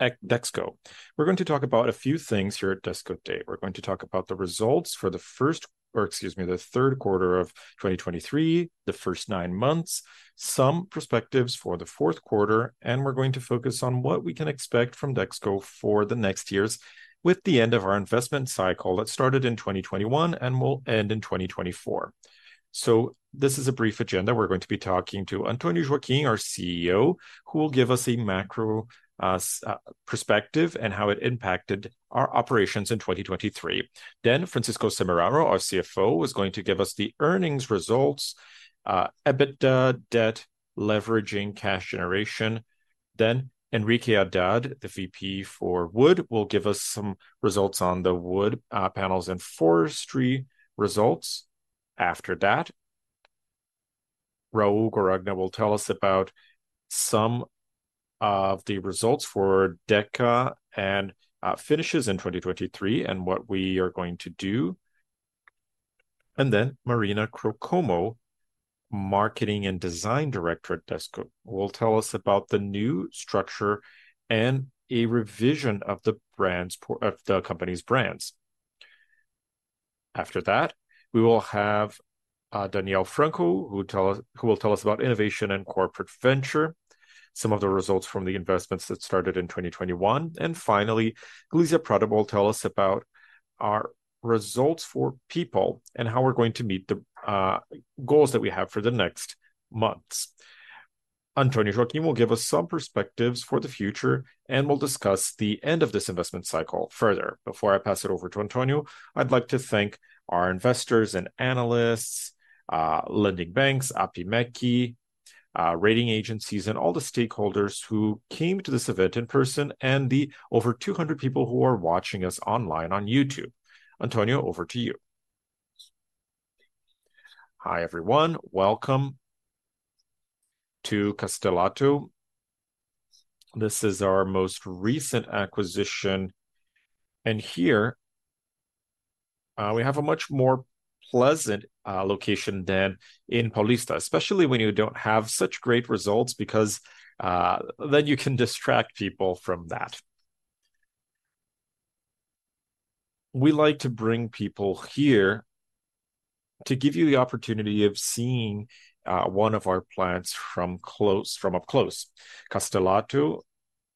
Dexco. We're going to talk about a few things here at Dexco Day. We're going to talk about the results for the first, or excuse me, the third quarter of 2023, the first nine months, some perspectives for the fourth quarter, and we're going to focus on what we can expect from Dexco for the next years with the end of our investment cycle that started in 2021 and will end in 2024. So this is a brief agenda. We're going to be talking to Antonio Joaquim, our CEO, who will give us a macro perspective and how it impacted our operations in 2023. Then Francisco Semeraro, our CFO, is going to give us the earnings results, EBITDA, debt, leveraging, cash generation. Then Henrique Haddad, the VP for wood, will give us some results on the wood panels and forestry results. After that, Raul Guaragna will tell us about some of the results for Deca and finishes in 2023, and what we are going to do. And then Marina Crocomo, Marketing and Design Director at Dexco, will tell us about the new structure and a revision of the brands of the company's brands. After that, we will have Daniel Franco, who will tell us about innovation and corporate venture, some of the results from the investments that started in 2021. And finally, Glízia Prado will tell us about our results for people and how we're going to meet the goals that we have for the next months. Antonio Joaquim will give us some perspectives for the future, and we'll discuss the end of this investment cycle further. Before I pass it over to Antonio, I'd like to thank our investors and analysts, lending banks, APIMEC, rating agencies, and all the stakeholders who came to this event in person, and the over 200 people who are watching us online on YouTube. Antonio, over to you. Hi, everyone. Welcome to Castelatto. This is our most recent acquisition, and here, we have a much more pleasant location than in Paulista, especially when you don't have such great results, because, then you can distract people from that. We like to bring people here to give you the opportunity of seeing one of our plants from up close. Castelatto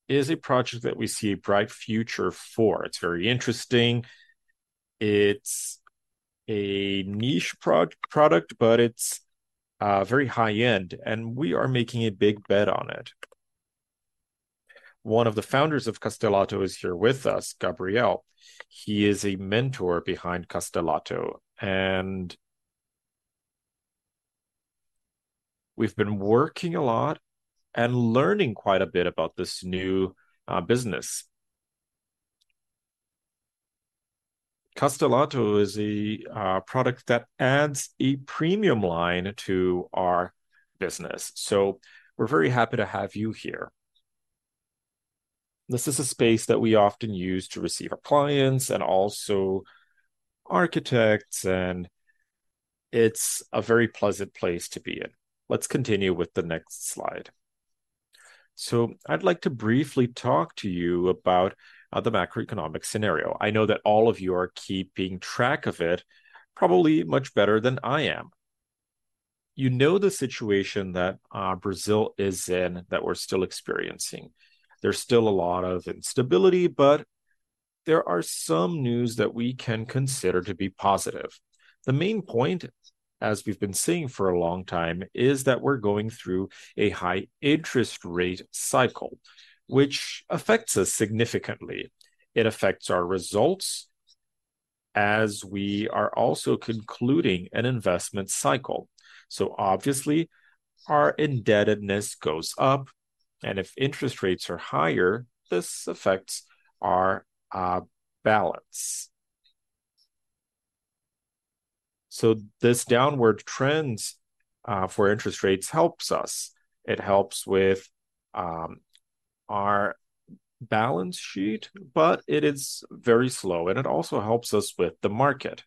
is a project that we see a bright future for. It's very interesting. It's a niche product, but it's very high-end, and we are making a big bet on it. One of the founders of Castelatto is here with us, Gabriel. He is a mentor behind Castelatto, and we've been working a lot and learning quite a bit about this new business. Castelatto is a product that adds a premium line to our business, so we're very happy to have you here. This is a space that we often use to receive our clients and also architects, and it's a very pleasant place to be in. Let's continue with the next slide. So I'd like to briefly talk to you about the macroeconomic scenario. I know that all of you are keeping track of it, probably much better than I am. You know, the situation that Brazil is in, that we're still experiencing. There's still a lot of instability, but there are some news that we can consider to be positive. The main point, as we've been seeing for a long time, is that we're going through a high interest rate cycle, which affects us significantly. It affects our results as we are also concluding an investment cycle. So obviously, our indebtedness goes up, and if interest rates are higher, this affects our balance. So this downward trends for interest rates helps us. It helps with our balance sheet, but it is very slow, and it also helps us with the market.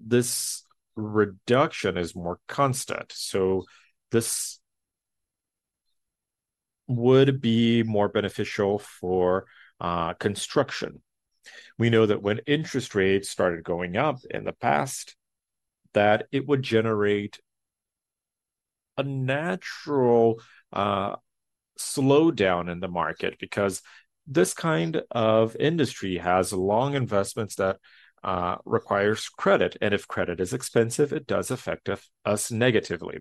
This reduction is more constant, so this would be more beneficial for construction. We know that when interest rates started going up in the past, that it would generate a natural slowdown in the market, because this kind of industry has long investments that requires credit, and if credit is expensive, it does affect us negatively.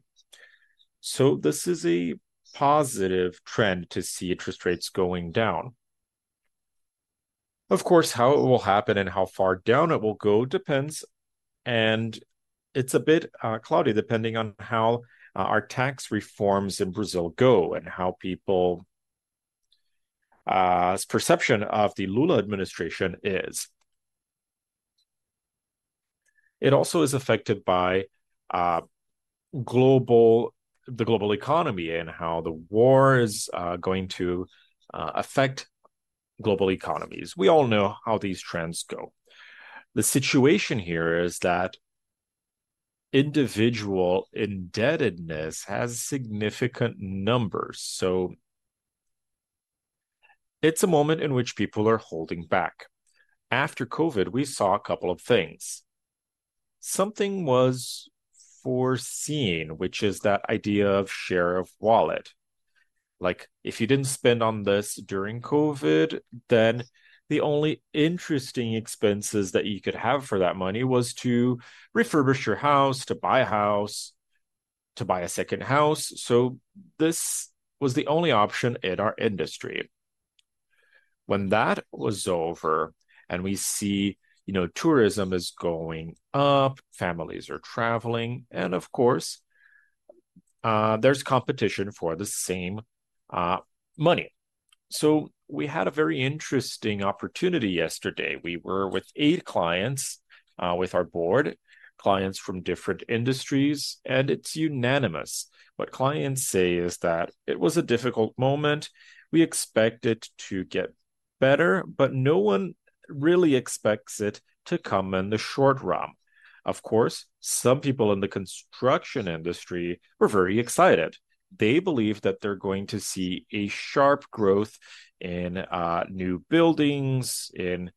So this is a positive trend to see interest rates going down. Of course, how it will happen and how far down it will go depends, and it's a bit cloudy, depending on how our tax reforms in Brazil go, and how people's perception of the Lula administration is. It also is affected by the global economy and how the war is going to affect global economies. We all know how these trends go. The situation here is that individual indebtedness has significant numbers, so it's a moment in which people are holding back. After COVID, we saw a couple of things. Something was foreseen, which is that idea of share of wallet. Like, if you didn't spend on this during COVID, then the only interesting expenses that you could have for that money was to refurbish your house, to buy a house, to buy a second house. So this was the only option in our industry. When that was over, and we see, you know, tourism is going up, families are traveling, and of course, there's competition for the same money. So we had a very interesting opportunity yesterday. We were with eight clients with our board, clients from different industries, and it's unanimous. What clients say is that it was a difficult moment. We expect it to get better, but no one really expects it to come in the short run. Of course, some people in the construction industry were very excited. They believe that they're going to see a sharp growth in new buildings, in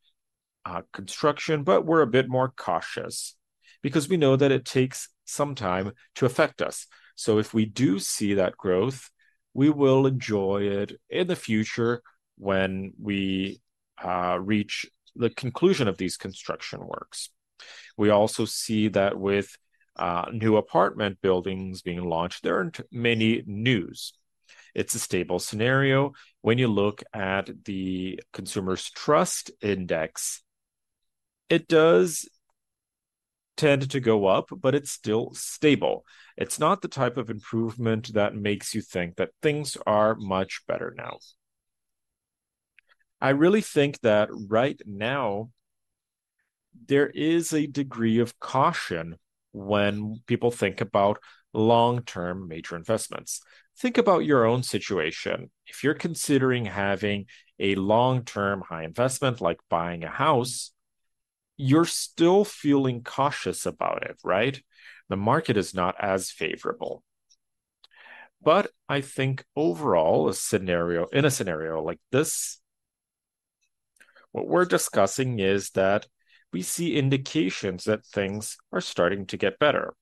construction, but we're a bit more cautious, because we know that it takes some time to affect us. So if we do see that growth, we will enjoy it in the future when we reach the conclusion of these construction works. We also see that with new apartment buildings being launched, there aren't many news. It's a stable scenario. When you look at the Consumer's Trust Index, it does tend to go up, but it's still stable. It's not the type of improvement that makes you think that things are much better now. I really think that right now, there is a degree of caution when people think about long-term major investments. Think about your own situation. If you're considering having a long-term high investment, like buying a house, you're still feeling cautious about it, right? The market is not as favorable. But I think overall, a scenario, in a scenario like this, what we're discussing is that we see indications that things are starting to get better,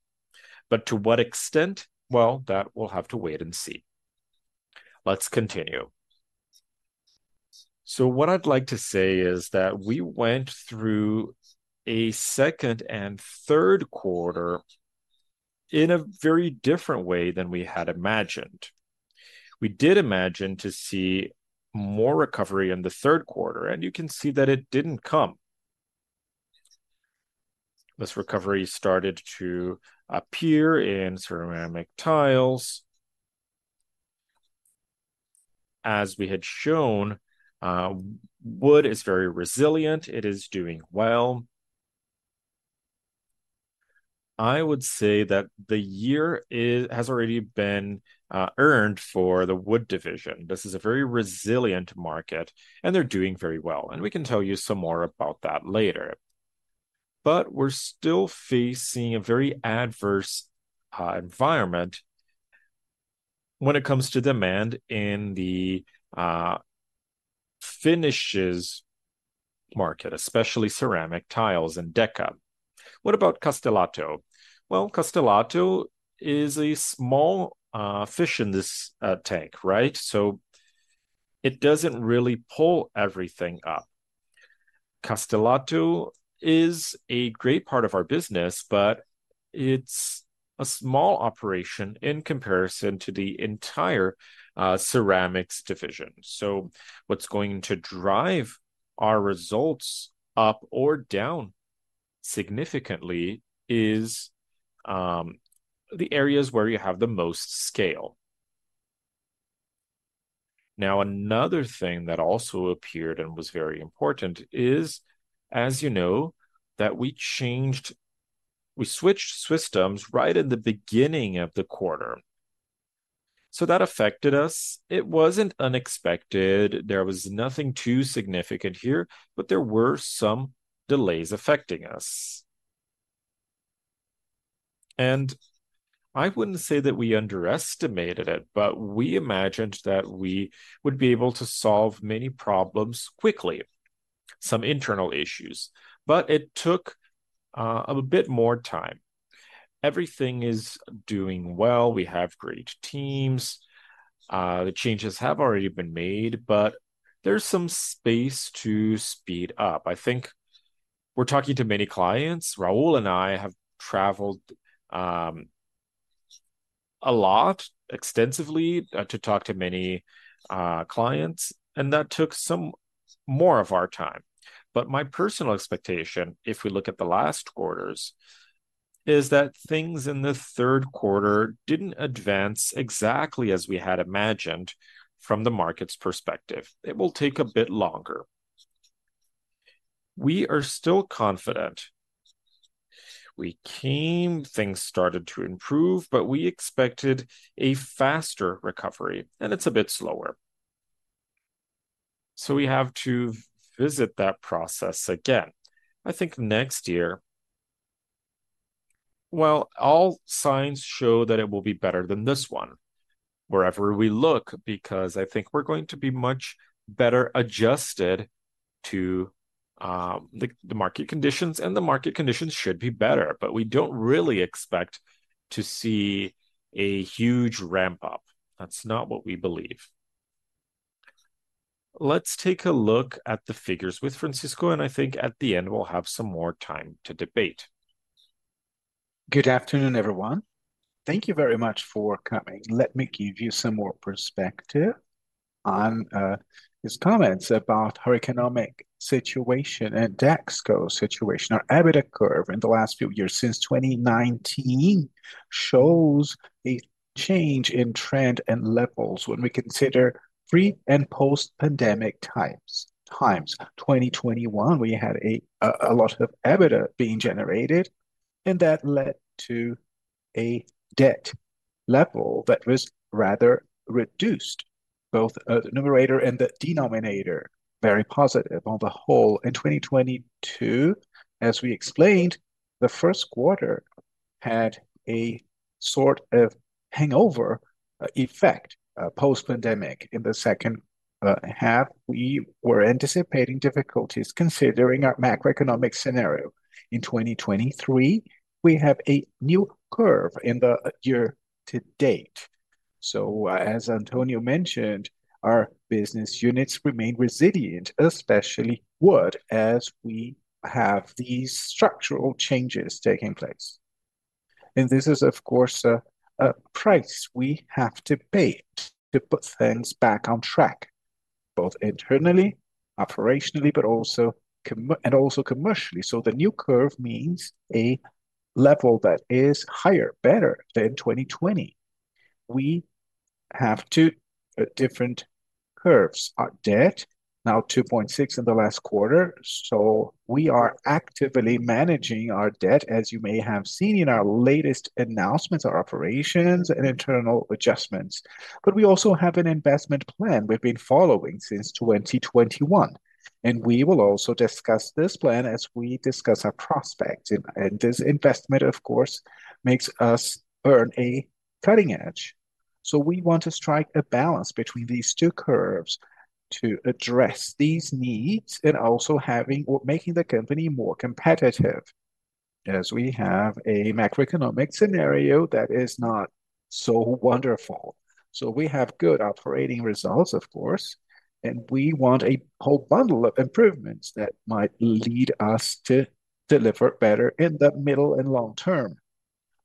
but to what extent? Well, that we'll have to wait and see. Let's continue. So what I'd like to say is that we went through a second and third quarter in a very different way than we had imagined. We did imagine to see more recovery in the third quarter, and you can see that it didn't come. This recovery started to appear in ceramic tiles. As we had shown, wood is very resilient, it is doing well. I would say that the year is, has already been, earned for the wood division. This is a very resilient market, and they're doing very well, and we can tell you some more about that later. But we're still facing a very adverse environment when it comes to demand in the finishes market, especially ceramic tiles and Deca. What about Castelatto? Well, Castelatto is a small fish in this tank, right? So it doesn't really pull everything up. Castelatto is a great part of our business, but it's a small operation in comparison to the entire ceramics division. So what's going to drive our results up or down significantly is the areas where you have the most scale. Now, another thing that also appeared and was very important is, as you know, that we changed—we switched systems right in the beginning of the quarter, so that affected us. It wasn't unexpected. There was nothing too significant here, but there were some delays affecting us. I wouldn't say that we underestimated it, but we imagined that we would be able to solve many problems quickly, some internal issues, but it took a bit more time. Everything is doing well. We have great teams. The changes have already been made, but there's some space to speed up. I think we're talking to many clients. Raul and I have traveled a lot, extensively, to talk to many clients, and that took some more of our time. But my personal expectation, if we look at the last quarters, is that things in the third quarter didn't advance exactly as we had imagined from the market's perspective. It will take a bit longer. We are still confident. We came, things started to improve, but we expected a faster recovery, and it's a bit slower. So we have to visit that process again. I think next year, well, all signs show that it will be better than this one wherever we look, because I think we're going to be much better adjusted to the market conditions, and the market conditions should be better. But we don't really expect to see a huge ramp up. That's not what we believe. Let's take a look at the figures with Francisco, and I think at the end, we'll have some more time to debate. Good afternoon, everyone. Thank you very much for coming. Let me give you some more perspective on his comments about our economic situation and Dexco situation. Our EBITDA curve in the last few years, since 2019, shows a change in trend and levels when we consider pre- and post-pandemic times. 2021, we had a lot of EBITDA being generated, and that led to a debt level that was rather reduced, both the numerator and the denominator, very positive on the whole. In 2022, as we explained, the first quarter had a sort of hangover effect post-pandemic. In the second half, we were anticipating difficulties considering our macroeconomic scenario. In 2023, we have a new curve in the year to date. So, as Antonio mentioned, our business units remain resilient, especially wood, as we have these structural changes taking place. And this is, of course, a price we have to pay to put things back on track, both internally, operationally, but also commercially. So the new curve means a level that is higher, better than 2020. We have two different curves. Our debt, now 2.6 in the last quarter, so we are actively managing our debt, as you may have seen in our latest announcements, our operations and internal adjustments. But we also have an investment plan we've been following since 2021, and we will also discuss this plan as we discuss our prospects. And this investment, of course, makes us earn a cutting edge. So we want to strike a balance between these two curves to address these needs and also having... or making the company more competitive, as we have a macroeconomic scenario that is not so wonderful. So we have good operating results, of course, and we want a whole bundle of improvements that might lead us to deliver better in the middle and long term.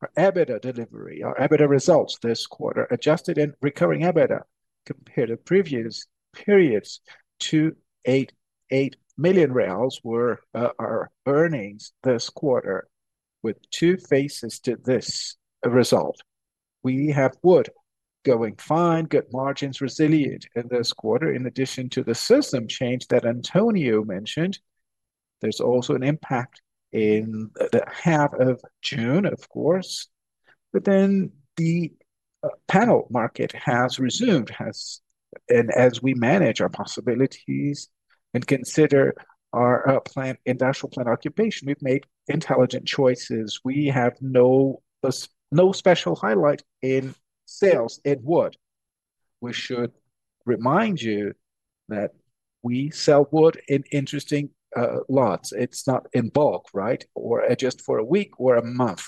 Our EBITDA delivery, our EBITDA results this quarter, adjusted and recurring EBITDA compared to previous periods, 288 million reais were our earnings this quarter, with two faces to this result. We have Wood going fine, good margins, resilient in this quarter. In addition to the system change that Antonio mentioned, there's also an impact in the half of June, of course. But then the panel market has resumed, and as we manage our possibilities and consider our plant, industrial plant occupation, we've made intelligent choices. We have no special highlight in sales in Wood. We should remind you that we sell wood in interesting lots. It's not in bulk, right? Or just for a week or a month.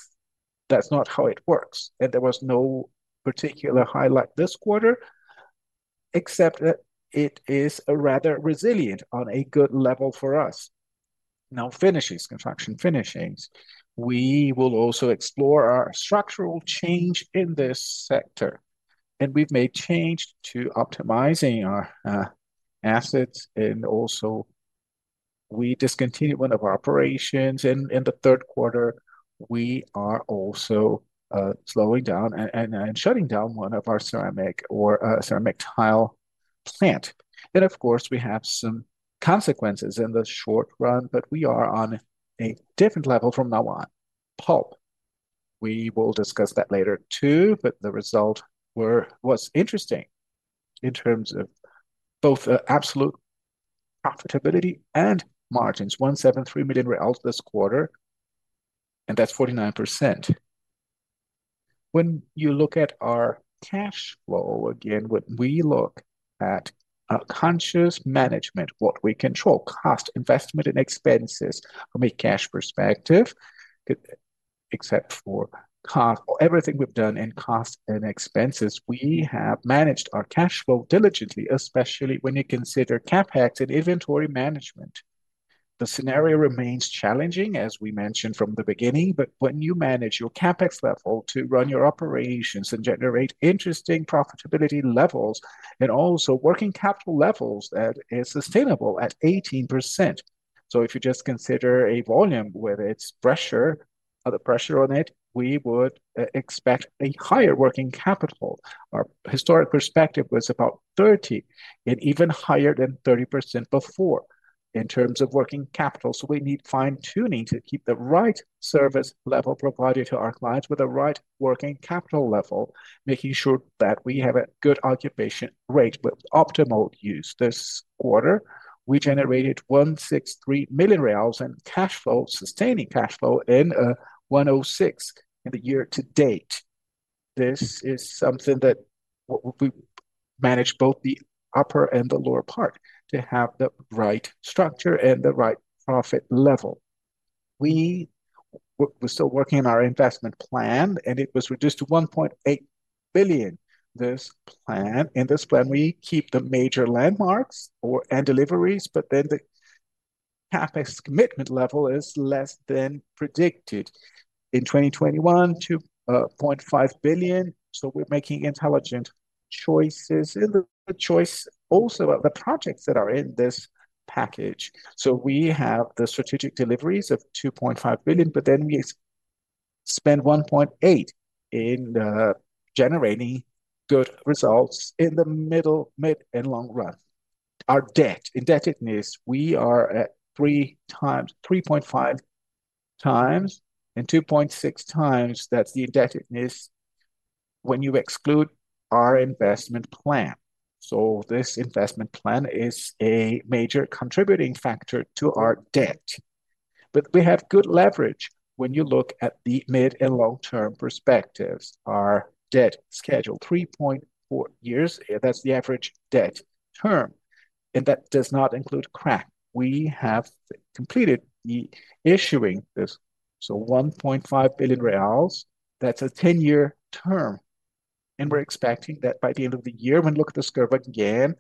That's not how it works, and there was no particular highlight this quarter, except that it is a rather resilient on a good level for us. Now, finishes, construction finishings. We will also explore our structural change in this sector, and we've made change to optimizing our assets, and also we discontinued one of our operations in the third quarter. We are also slowing down and shutting down one of our ceramic or ceramic tile plant. Of course, we have some consequences in the short run, but we are on a different level from now on. Pulp, we will discuss that later, too, but the result was interesting in terms of both absolute profitability and margins. 173 million reais this quarter, and that's 49%. When you look at our cash flow, again, when we look at our conscious management, what we control, cost, investment, and expenses from a cash perspective, except for cost, everything we've done in cost and expenses, we have managed our cash flow diligently, especially when you consider CapEx and inventory management. The scenario remains challenging, as we mentioned from the beginning, but when you manage your CapEx level to run your operations and generate interesting profitability levels, and also working capital levels, that is sustainable at 18%. So if you just consider a volume with its pressure of the pressure on it, we would expect a higher working capital. Our historic perspective was about 30, and even higher than 30% before in terms of working capital. So we need fine-tuning to keep the right service level provided to our clients with the right working capital level, making sure that we have a good occupation rate with optimal use. This quarter, we generated 163 million reais in cash flow, sustaining cash flow in 106 in the year to date. This is something that we manage both the upper and the lower part to have the right structure and the right profit level. We're still working on our investment plan, and it was reduced to 1.8 billion. This plan, in this plan, we keep the major landmarks or, and deliveries, but then the CapEx commitment level is less than predicted. In 2021, 2.5 billion, so we're making intelligent choices. And the, the choice also are the projects that are in this package. So we have the strategic deliveries of 2.5 billion, but then we spend 1.8 billion in generating good results in the middle, mid, and long run. Our debt, indebtedness, we are at 3x, 3.5x, and 2.6x, that's the indebtedness when you exclude our investment plan. So this investment plan is a major contributing factor to our debt. But we have good leverage when you look at the mid and long-term perspectives. Our debt schedule, 3.4 years, that's the average debt term, and that does not include CRA. We have completed the issuing this, so 1.5 billion reais, that's a 10-year term, and we're expecting that by the end of the year, when we look at the curve again,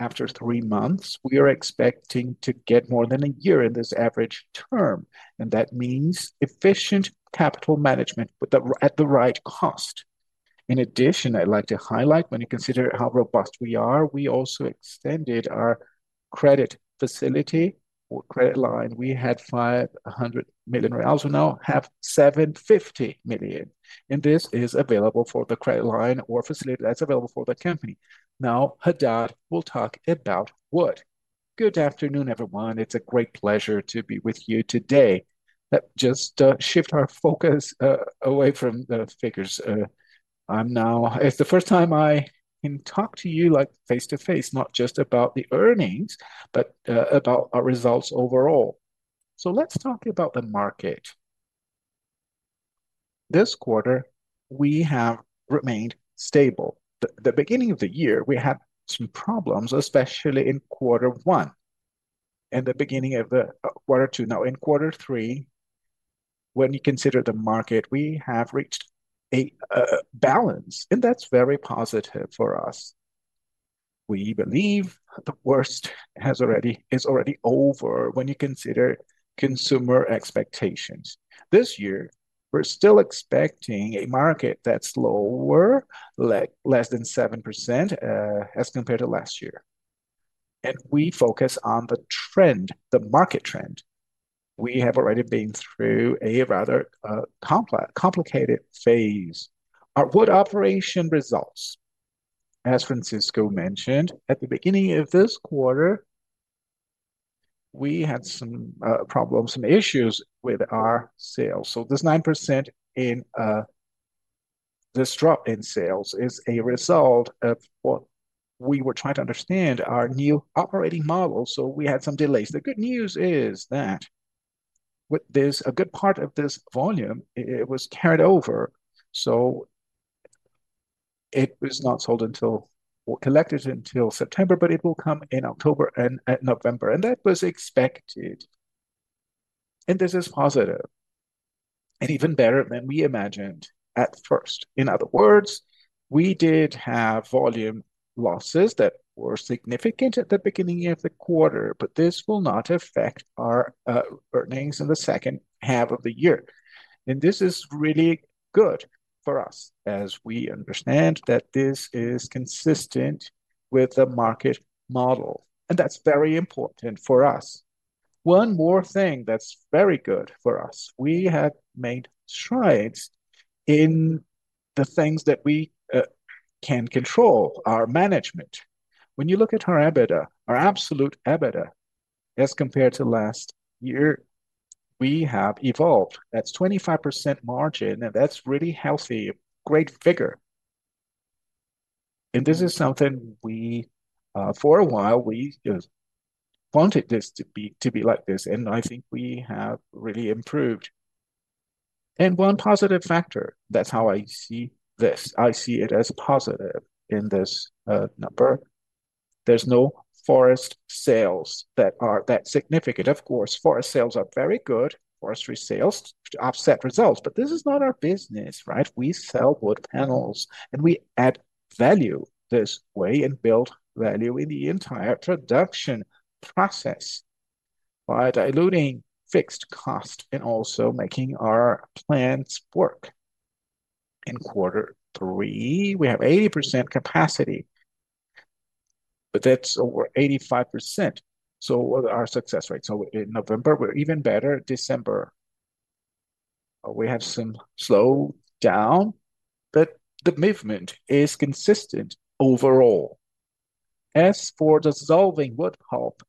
after 3 months, we are expecting to get more than a year in this average term, and that means efficient capital management, but at the right cost. In addition, I'd like to highlight, when you consider how robust we are, we also extended our credit facility or credit line. We had 500 million reais, we now have 750 million, and this is available for the credit line or facility that's available for the company. Now, Haddad will talk about wood. Good afternoon, everyone. It's a great pleasure to be with you today. Let's just shift our focus away from the figures. It's the first time I can talk to you, like, face to face, not just about the earnings, but about our results overall. So let's talk about the market. This quarter, we have remained stable. The beginning of the year, we had some problems, especially in quarter one and the beginning of quarter two. Now, in quarter three, when you consider the market, we have reached a balance, and that's very positive for us. We believe the worst is already over when you consider consumer expectations. This year, we're still expecting a market that's lower, less than 7%, as compared to last year, and we focus on the trend, the market trend. We have already been through a rather, complex, complicated phase. Our wood operation results. As Francisco mentioned, at the beginning of this quarter, we had some problems, some issues with our sales. So this 9% in this drop in sales is a result of what we were trying to understand our new operating model, so we had some delays. The good news is that with this, a good part of this volume, it was carried over, so it was not sold until or collected until September, but it will come in October and November, and that was expected. And this is positive, and even better than we imagined at first. In other words, we did have volume losses that were significant at the beginning of the quarter, but this will not affect our earnings in the second half of the year. This is really good for us, as we understand that this is consistent with the market model, and that's very important for us. One more thing that's very good for us, we have made strides in the things that we can control, our management. When you look at our EBITDA, our absolute EBITDA, as compared to last year, we have evolved. That's 25% margin, and that's really healthy, a great figure. And this is something we for a while, we just wanted this to be, to be like this, and I think we have really improved. And one positive factor, that's how I see this. I see it as a positive in this number. There's no forest sales that are that significant. Of course, forest sales are very good, forestry sales offset results, but this is not our business, right? We sell wood panels, and we add value this way and build value in the entire production process by diluting fixed cost and also making our plants work. In quarter three, we have 80% capacity... but that's over 85%. So our success rate, so in November, we're even better. December, we have some slow down, but the movement is consistent overall. As for dissolving wood pulp,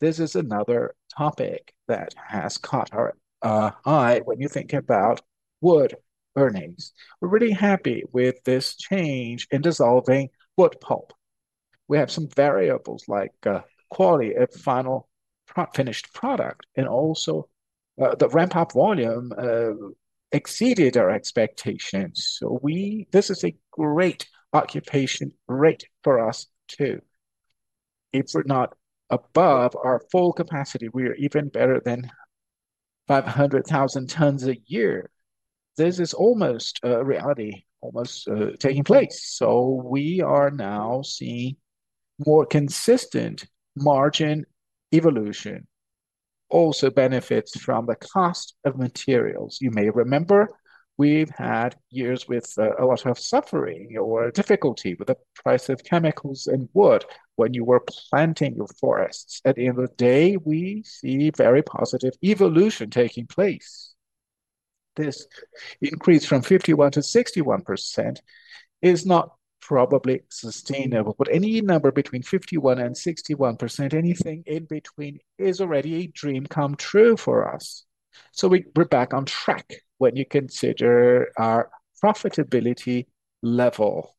this is another topic that has caught our eye when you think about wood earnings. We're really happy with this change in dissolving wood pulp. We have some variables like quality of final finished product, and also the ramp-up volume exceeded our expectations. So this is a great occupation rate for us, too. If we're not above our full capacity, we are even better than 500,000 tons a year. This is almost a reality, almost taking place. So we are now seeing more consistent margin evolution, also benefits from the cost of materials. You may remember we've had years with a lot of suffering or difficulty with the price of chemicals and wood when you were planting your forests. At the end of the day, we see very positive evolution taking place. This increase from 51%-61% is not probably sustainable, but any number between 51% and 61%, anything in between, is already a dream come true for us. So we're back on track when you consider our profitability level.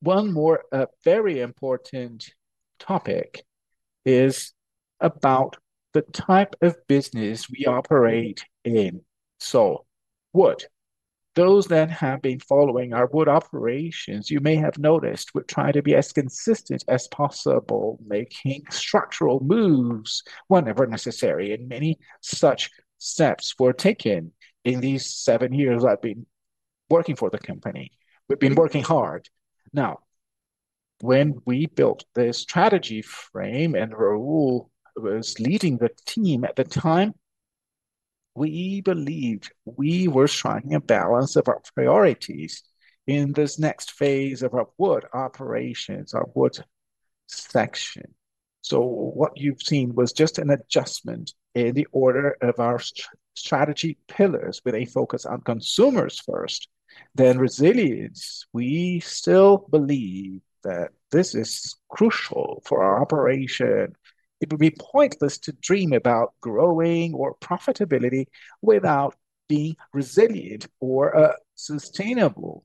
One more very important topic is about the type of business we operate in. So wood. Those that have been following our wood operations, you may have noticed we're trying to be as consistent as possible, making structural moves whenever necessary, and many such steps were taken in these seven years I've been working for the company. We've been working hard. Now, when we built the strategy frame, and Raul was leading the team at the time, we believed we were striking a balance of our priorities in this next phase of our wood operations, our wood section. So what you've seen was just an adjustment in the order of our strategy pillars, with a focus on consumers first, then resilience. We still believe that this is crucial for our operation. It would be pointless to dream about growing or profitability without being resilient or sustainable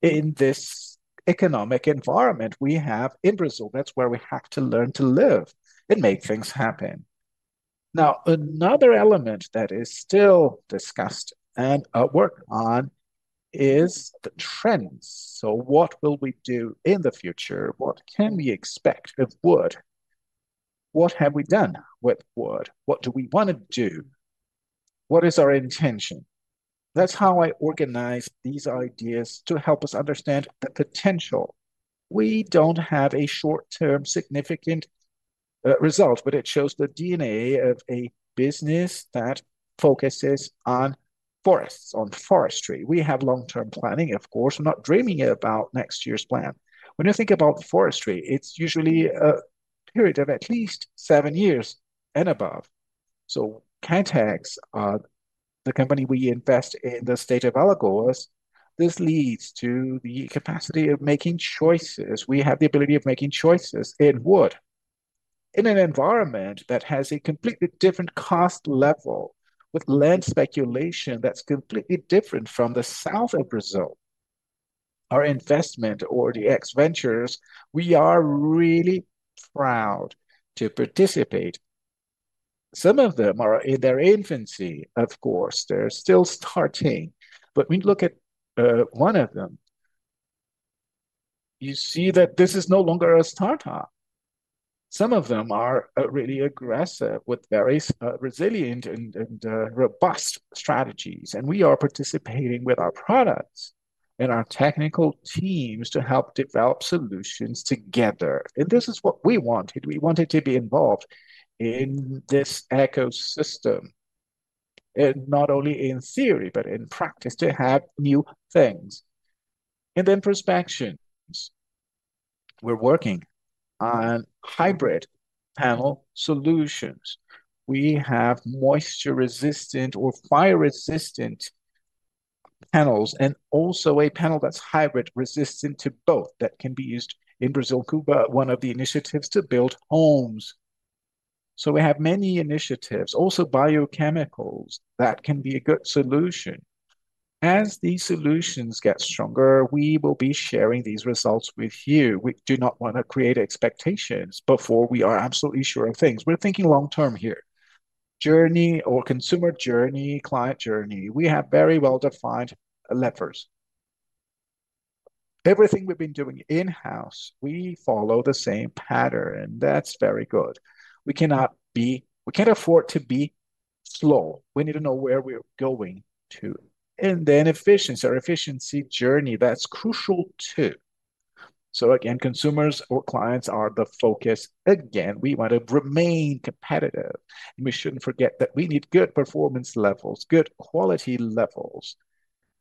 in this economic environment we have in Brazil. That's where we have to learn to live and make things happen. Now, another element that is still discussed and at work on is the trends. So what will we do in the future? What can we expect of wood? What have we done with wood? What do we want to do? What is our intention? That's how I organize these ideas to help us understand the potential. We don't have a short-term, significant result, but it shows the DNA of a business that focuses on forests, on forestry. We have long-term planning, of course. We're not dreaming about next year's plan. When you think about forestry, it's usually a period of at least seven years and above. So Caetex, the company we invest in the state of Alagoas, this leads to the capacity of making choices. We have the ability of making choices in wood. In an environment that has a completely different cost level, with land speculation that's completely different from the south of Brazil. Our investment or the DX Ventures, we are really proud to participate. Some of them are in their infancy, of course, they're still starting. But when you look at one of them, you see that this is no longer a startup. Some of them are really aggressive, with very resilient and robust strategies, and we are participating with our products and our technical teams to help develop solutions together. And this is what we wanted. We wanted to be involved in this ecosystem, and not only in theory, but in practice, to have new things. And then prospects. We're working on hybrid panel solutions. We have moisture-resistant or fire-resistant panels, and also a panel that's hybrid, resistant to both, that can be used in Brazil. Cubo, one of the initiatives to build homes. So we have many initiatives, also biochemicals, that can be a good solution. As these solutions get stronger, we will be sharing these results with you. We do not want to create expectations before we are absolutely sure of things. We're thinking long term here. Journey or consumer journey, client journey, we have very well-defined levers. Everything we've been doing in-house, we follow the same pattern, and that's very good. We cannot be... We can't afford to be slow. We need to know where we're going to. And then efficiency, our efficiency journey, that's crucial, too. So again, consumers or clients are the focus. Again, we want to remain competitive, and we shouldn't forget that we need good performance levels, good quality levels.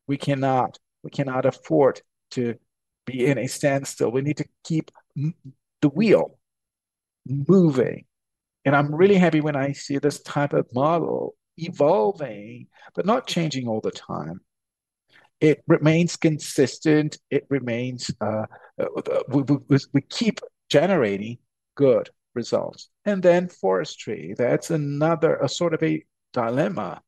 We cannot, we cannot afford to be in a standstill. We need to keep the wheel moving, and I'm really happy when I see this type of model evolving, but not changing all the time. It remains consistent, it remains, we keep generating good results. And then forestry, that's another sort of a dilemma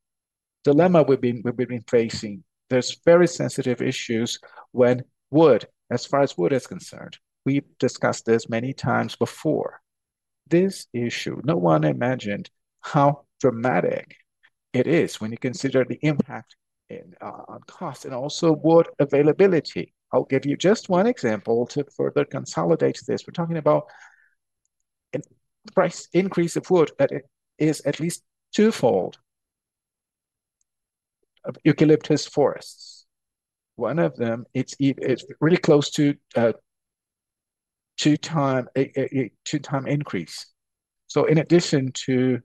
we've been facing. There's very sensitive issues when wood, as far as wood is concerned. We've discussed this many times before. This issue, no one imagined how dramatic it is when you consider the impact on cost, and also wood availability. I'll give you just one example to further consolidate this. We're talking about a price increase of wood that is at least twofold. Of eucalyptus forests, one of them, it's really close to a two-time increase. So in addition to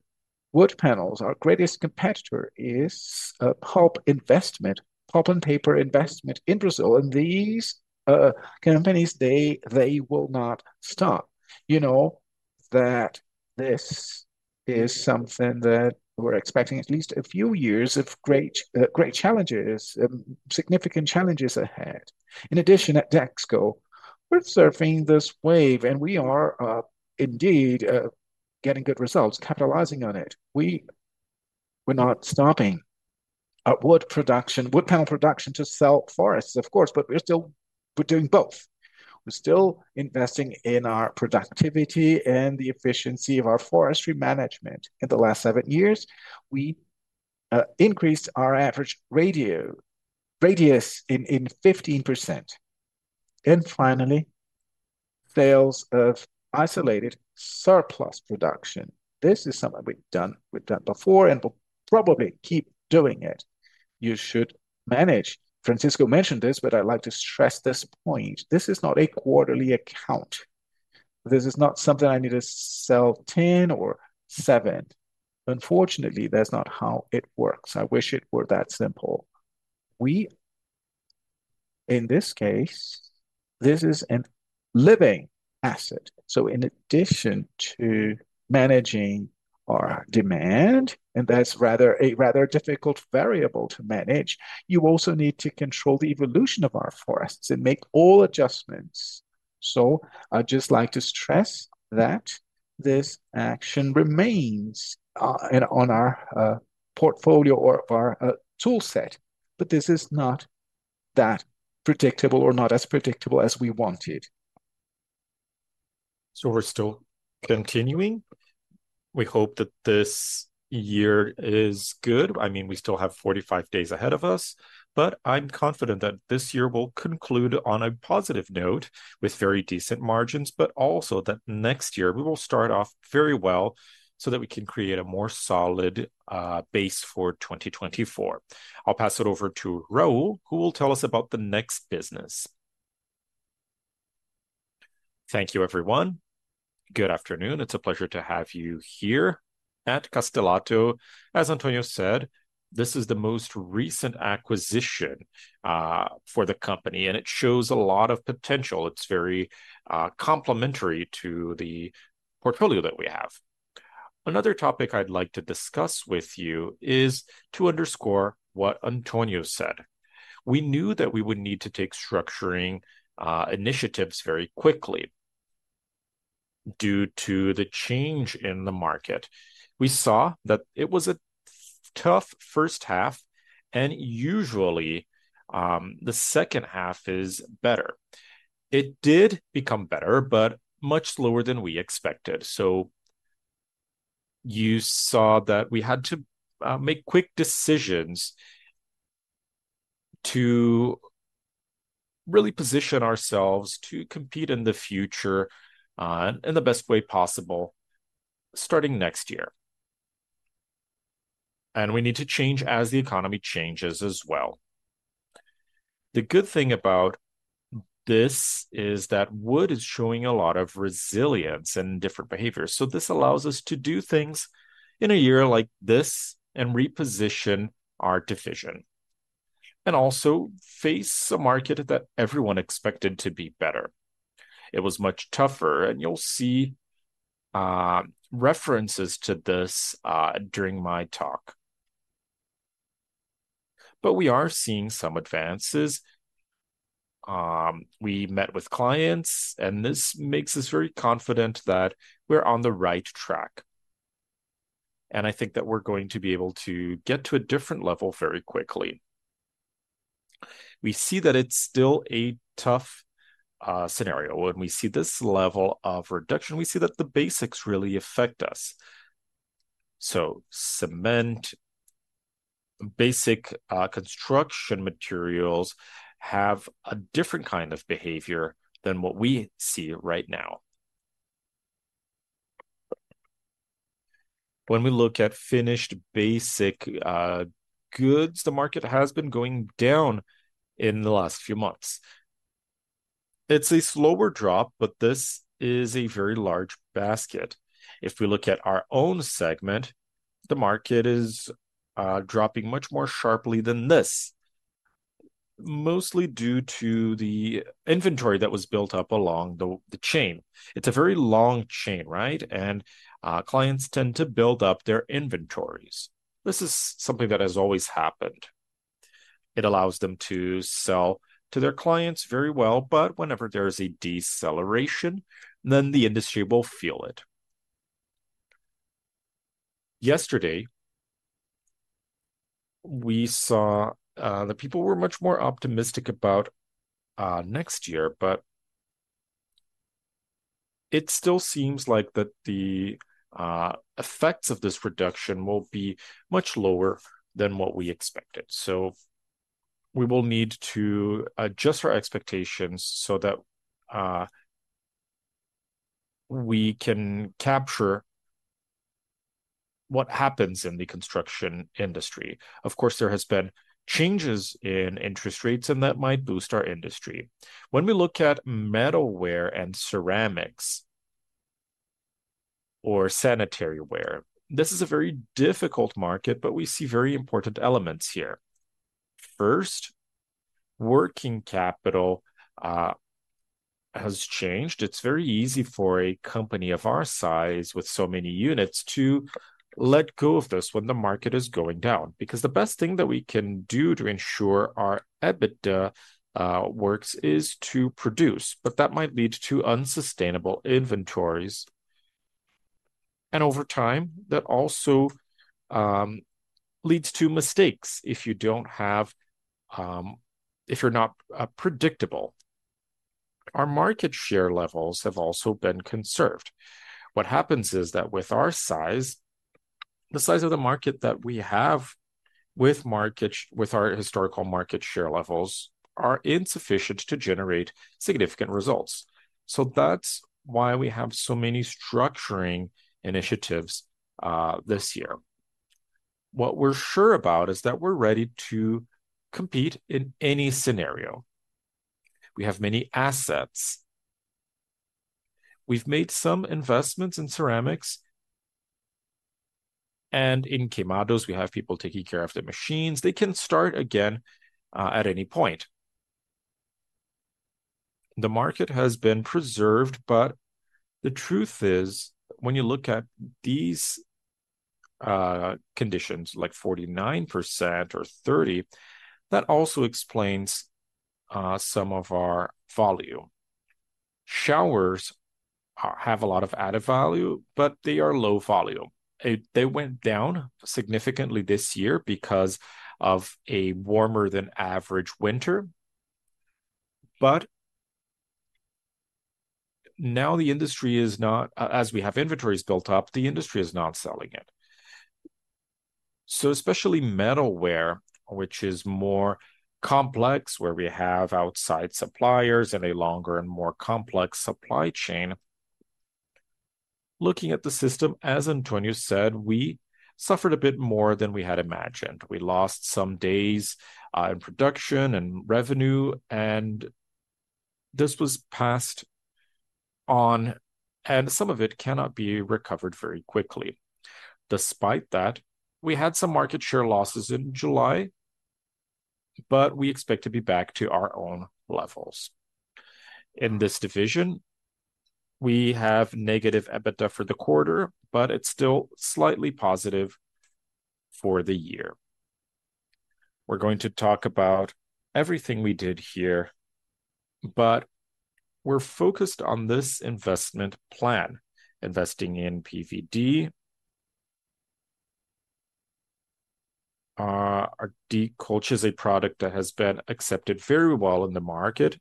wood panels, our greatest competitor is pulp investment, pulp and paper investment in Brazil, and these companies, they will not stop. You know, that this is something that we're expecting at least a few years of great challenges, significant challenges ahead. In addition, at Dexco, we're surfing this wave, and we are indeed getting good results, capitalizing on it. We're not stopping at wood production, wood panel production to sell forests, of course, but we're still doing both. We're still investing in our productivity and the efficiency of our forestry management. In the last seven years, we increased our average radius in 15%. And finally, sales of isolated surplus production. This is something we've done, we've done before, and we'll probably keep doing it. You should manage. Francisco mentioned this, but I'd like to stress this point. This is not a quarterly account. This is not something I need to sell 10 or seven. Unfortunately, that's not how it works. I wish it were that simple. We, in this case, this is a living asset. So in addition to managing our demand, and that's rather a difficult variable to manage, you also need to control the evolution of our forests and make all adjustments. So I'd just like to stress that this action remains on our portfolio or our tool set, but this is not that predictable or not as predictable as we wanted. So we're still continuing. We hope that this year is good. I mean, we still have 45 days ahead of us, but I'm confident that this year will conclude on a positive note with very decent margins, but also that next year we will start off very well so that we can create a more solid base for 2024. I'll pass it over to Raul, who will tell us about the next business. Thank you, everyone. Good afternoon. It's a pleasure to have you here at Castelatto. As Antonio said, this is the most recent acquisition for the company, and it shows a lot of potential. It's very complementary to the portfolio that we have. Another topic I'd like to discuss with you is to underscore what Antonio said. We knew that we would need to take structuring initiatives very quickly due to the change in the market. We saw that it was a tough first half, and usually, the second half is better. It did become better, but much lower than we expected. So you saw that we had to make quick decisions to really position ourselves to compete in the future in the best way possible, starting next year. We need to change as the economy changes as well. The good thing about this is that wood is showing a lot of resilience and different behaviors, so this allows us to do things in a year like this and reposition our division, and also face a market that everyone expected to be better. It was much tougher, and you'll see references to this during my talk. But we are seeing some advances. We met with clients, and this makes us very confident that we're on the right track, and I think that we're going to be able to get to a different level very quickly. We see that it's still a tough scenario. When we see this level of reduction, we see that the basics really affect us. So cement, basic construction materials have a different kind of behavior than what we see right now. When we look at finished basic goods, the market has been going down in the last few months. It's a slower drop, but this is a very large basket. If we look at our own segment, the market is dropping much more sharply than this, mostly due to the inventory that was built up along the chain. It's a very long chain, right? Clients tend to build up their inventories. This is something that has always happened. It allows them to sell to their clients very well, but whenever there is a deceleration, then the industry will feel it. Yesterday, we saw that people were much more optimistic about next year, but it still seems like that the effects of this reduction will be much lower than what we expected. So we will need to adjust our expectations so that we can capture what happens in the construction industry. Of course, there has been changes in interest rates, and that might boost our industry. When we look at metalware and ceramics or sanitary ware, this is a very difficult market, but we see very important elements here. First, working capital has changed. It's very easy for a company of our size, with so many units, to let go of this when the market is going down. Because the best thing that we can do to ensure our EBITDA works is to produce, but that might lead to unsustainable inventories, and over time, that also leads to mistakes if you don't have... if you're not predictable. Our market share levels have also been conserved. What happens is that with our size, the size of the market that we have with market, with our historical market share levels, are insufficient to generate significant results. So that's why we have so many structuring initiatives this year. What we're sure about is that we're ready to compete in any scenario. We have many assets. We've made some investments in ceramics, and in Queimados, we have people taking care of the machines. They can start again at any point. The market has been preserved, but the truth is, when you look at these conditions, like 49% or 30%, that also explains some of our volume. Showers have a lot of added value, but they are low volume. They went down significantly this year because of a warmer-than-average winter, but now the industry is not, as we have inventories built up, the industry is not selling it. So especially metalware, which is more complex, where we have outside suppliers and a longer and more complex supply chain, looking at the system, as Antonio said, we suffered a bit more than we had imagined. We lost some days in production and revenue, and this was passed on, and some of it cannot be recovered very quickly. Despite that, we had some market share losses in July, but we expect to be back to our own levels. In this division, we have negative EBITDA for the quarter, but it's still slightly positive for the year. We're going to talk about everything we did here, but we're focused on this investment plan, investing in PVD. Our D.Coat is a product that has been accepted very well in the market,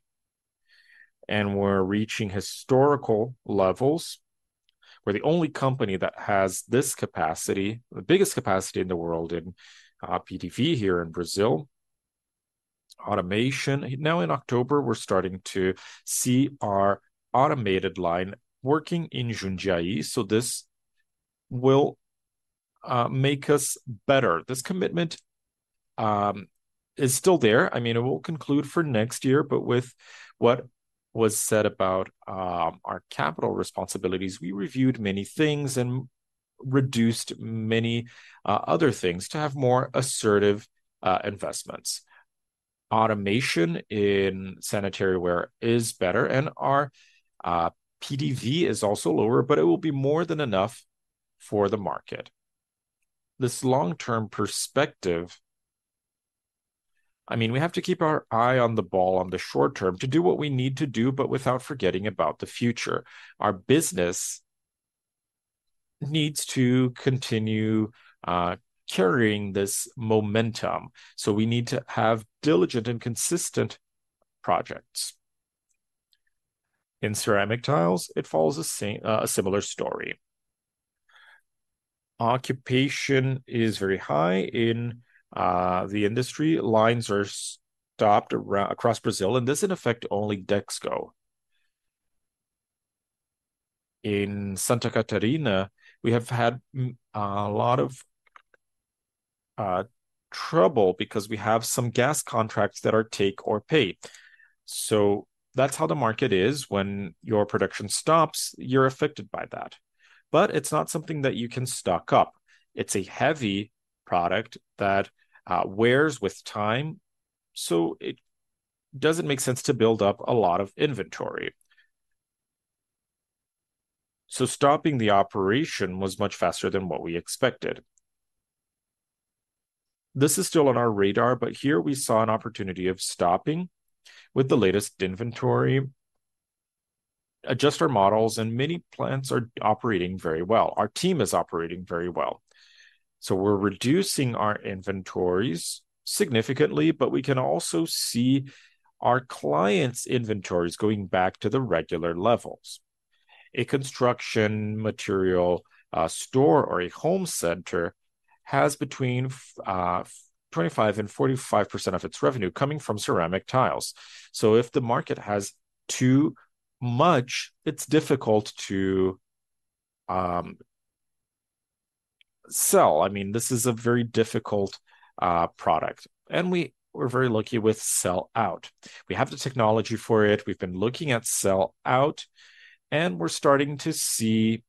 and we're reaching historical levels. We're the only company that has this capacity, the biggest capacity in the world, in PVD here in Brazil. Automation, now in October, we're starting to see our automated line working in Jundiaí, so this will make us better. This commitment is still there. I mean, it will conclude for next year, but with what was said about our capital responsibilities, we reviewed many things and reduced many other things to have more assertive investments. Automation in sanitary ware is better, and our PVD is also lower, but it will be more than enough for the market. This long-term perspective, I mean, we have to keep our eye on the ball on the short term to do what we need to do, but without forgetting about the future. Our business needs to continue carrying this momentum, so we need to have diligent and consistent projects. In ceramic tiles, it follows the same, a similar story. Occupation is very high in the industry. Lines are stopped around across Brazil, and this in effect only Dexco. In Santa Catarina, we have had a lot of trouble because we have some gas contracts that are take-or-pay. So that's how the market is. When your production stops, you're affected by that, but it's not something that you can stock up. It's a heavy product that wears with time, so it doesn't make sense to build up a lot of inventory. So stopping the operation was much faster than what we expected. This is still on our radar, but here we saw an opportunity of stopping with the latest inventory, adjust our models, and many plants are operating very well. Our team is operating very well. So we're reducing our inventories significantly, but we can also see our clients' inventories going back to the regular levels. A construction material store or a home center has between 25%-45% of its revenue coming from ceramic tiles. So if the market has too much, it's difficult to sell. I mean, this is a very difficult product, and we're very lucky with sell out. We have the technology for it. We've been looking at sell out, and we're starting to see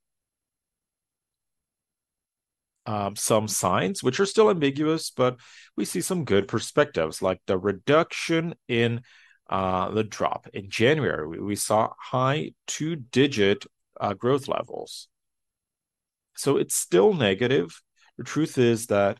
some signs, which are still ambiguous, but we see some good perspectives, like the reduction in the drop. In January, we saw high two-digit growth levels, so it's still negative. The truth is that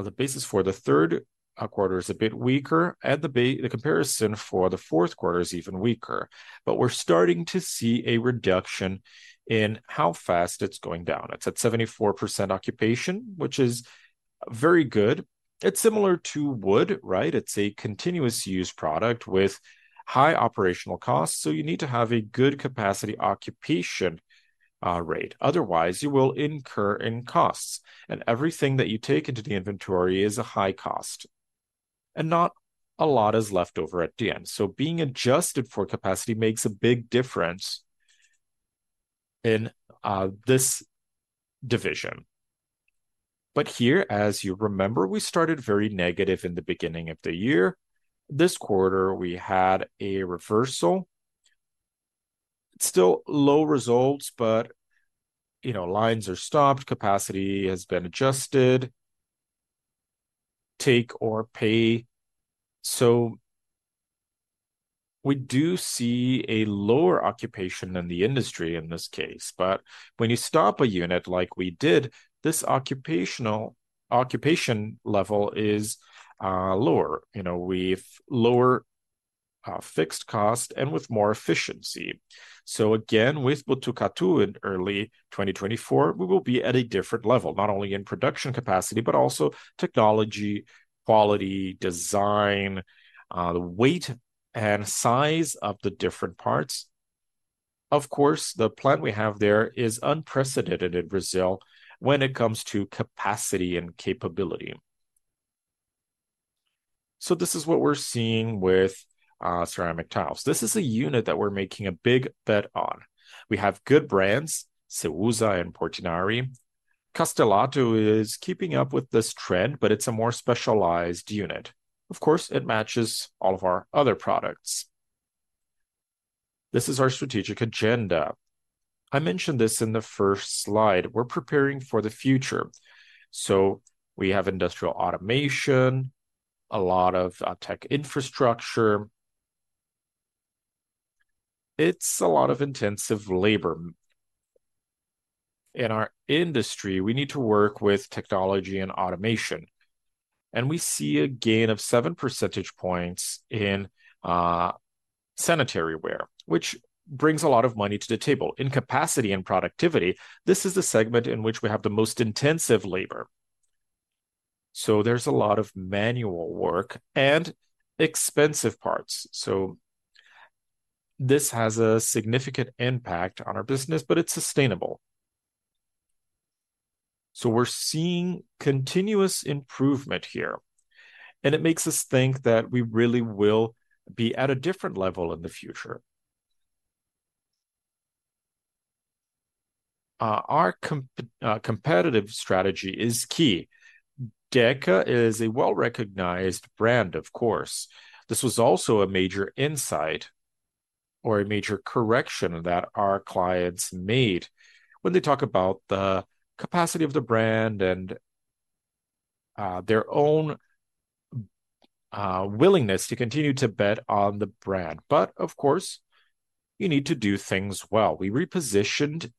the basis for the third quarter is a bit weaker, and the comparison for the fourth quarter is even weaker. But we're starting to see a reduction in how fast it's going down. It's at 74% occupation, which is very good. It's similar to wood, right? It's a continuous-use product with high operational costs, so you need to have a good capacity occupation rate. Otherwise, you will incur in costs, and everything that you take into the inventory is a high cost, and not a lot is left over at the end. So being adjusted for capacity makes a big difference in this division. But here, as you remember, we started very negative in the beginning of the year. This quarter, we had a reversal. It's still low results, but, you know, lines are stopped, capacity has been adjusted, take-or-pay. So we do see a lower occupation than the industry in this case, but when you stop a unit like we did, this occupation level is lower. You know, we've lower, fixed cost and with more efficiency. So again, with Botucatu in early 2024, we will be at a different level, not only in production capacity, but also technology, quality, design, the weight and size of the different parts. Of course, the plant we have there is unprecedented in Brazil when it comes to capacity and capability. So this is what we're seeing with, ceramic tiles. This is a unit that we're making a big bet on. We have good brands, Ceusa and Portinari. Castelatto is keeping up with this trend, but it's a more specialized unit. Of course, it matches all of our other products. This is our strategic agenda. I mentioned this in the first slide. We're preparing for the future. So we have industrial automation, a lot of, tech infrastructure. It's a lot of intensive labor. In our industry, we need to work with technology and automation, and we see a gain of seven percentage points in sanitary ware, which brings a lot of money to the table. In capacity and productivity, this is the segment in which we have the most intensive labor, so there's a lot of manual work and expensive parts. This has a significant impact on our business, but it's sustainable. We're seeing continuous improvement here, and it makes us think that we really will be at a different level in the future. Our competitive strategy is key. Deca is a well-recognized brand, of course. This was also a major insight or a major correction that our clients made when they talk about the capacity of the brand and their own willingness to continue to bet on the brand. But of course, you need to do things well. We repositioned it.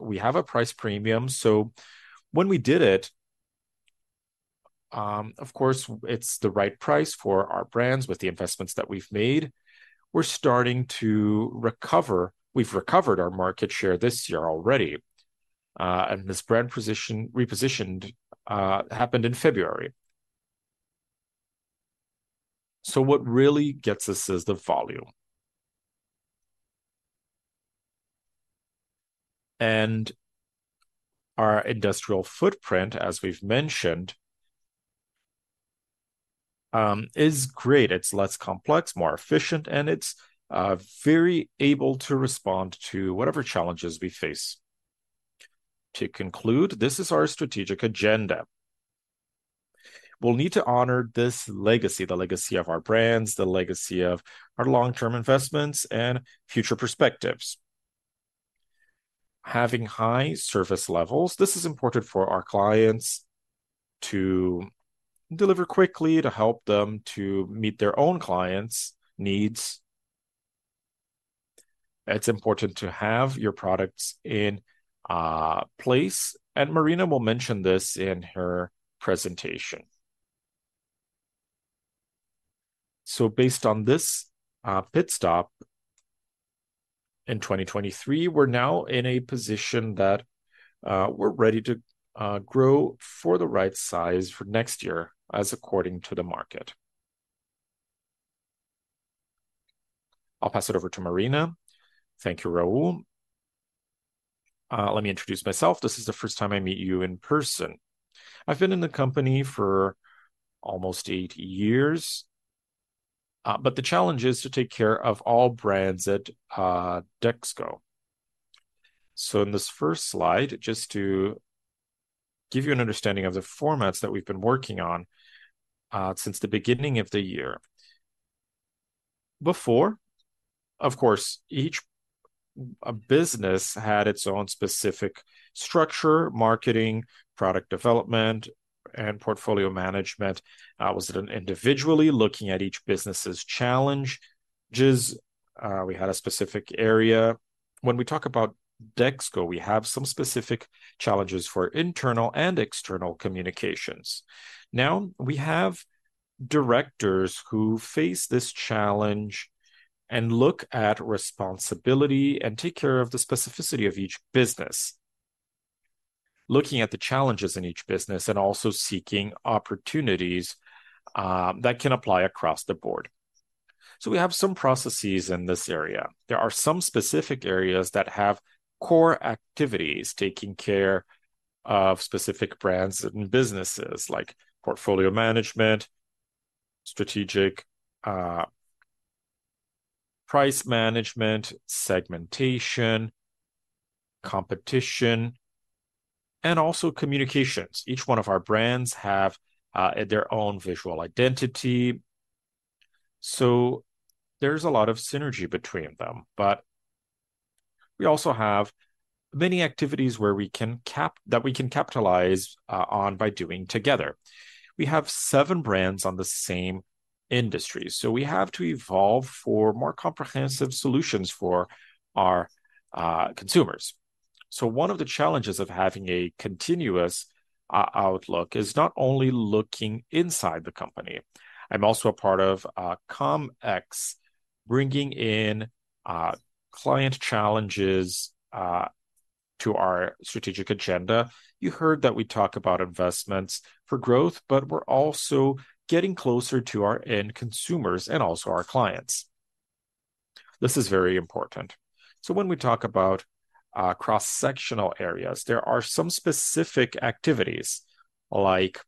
We have a price premium, so when we did it, of course, it's the right price for our brands with the investments that we've made. We're starting to recover... We've recovered our market share this year already, and this brand repositioned happened in February. So what really gets us is the volume. Our industrial footprint, as we've mentioned, is great. It's less complex, more efficient, and it's very able to respond to whatever challenges we face.... To conclude, this is our strategic agenda. We'll need to honor this legacy, the legacy of our brands, the legacy of our long-term investments, and future perspectives. Having high service levels, this is important for our clients to deliver quickly, to help them to meet their own clients' needs. It's important to have your products in place, and Marina will mention this in her presentation. So based on this pit stop in 2023, we're now in a position that we're ready to grow for the right size for next year, as according to the market. I'll pass it over to Marina. Thank you, Raul. Let me introduce myself. This is the first time I meet you in person. I've been in the company for almost eight years, but the challenge is to take care of all brands at Dexco. So in this first slide, just to give you an understanding of the formats that we've been working on since the beginning of the year. Before, of course, each business had its own specific structure, marketing, product development, and portfolio management. Was it an individual looking at each business's challenges, yes? We had a specific area. When we talk about Dexco, we have some specific challenges for internal and external communications. Now, we have directors who face this challenge and look at responsibility, and take care of the specificity of each business, looking at the challenges in each business, and also seeking opportunities that can apply across the board. So we have some processes in this area. There are some specific areas that have core activities, taking care of specific brands and businesses, like portfolio management, strategic price management, segmentation, competition, and also communications. Each one of our brands have their own visual identity, so there's a lot of synergy between them. But we also have many activities where we can capitalize on by doing together. We have seven brands on the same industry, so we have to evolve for more comprehensive solutions for our consumers. So one of the challenges of having a continuous outlook is not only looking inside the company. I'm also a part of ComEx, bringing in client challenges to our strategic agenda. You heard that we talk about investments for growth, but we're also getting closer to our end consumers and also our clients. This is very important. So when we talk about cross-sectional areas, there are some specific activities, like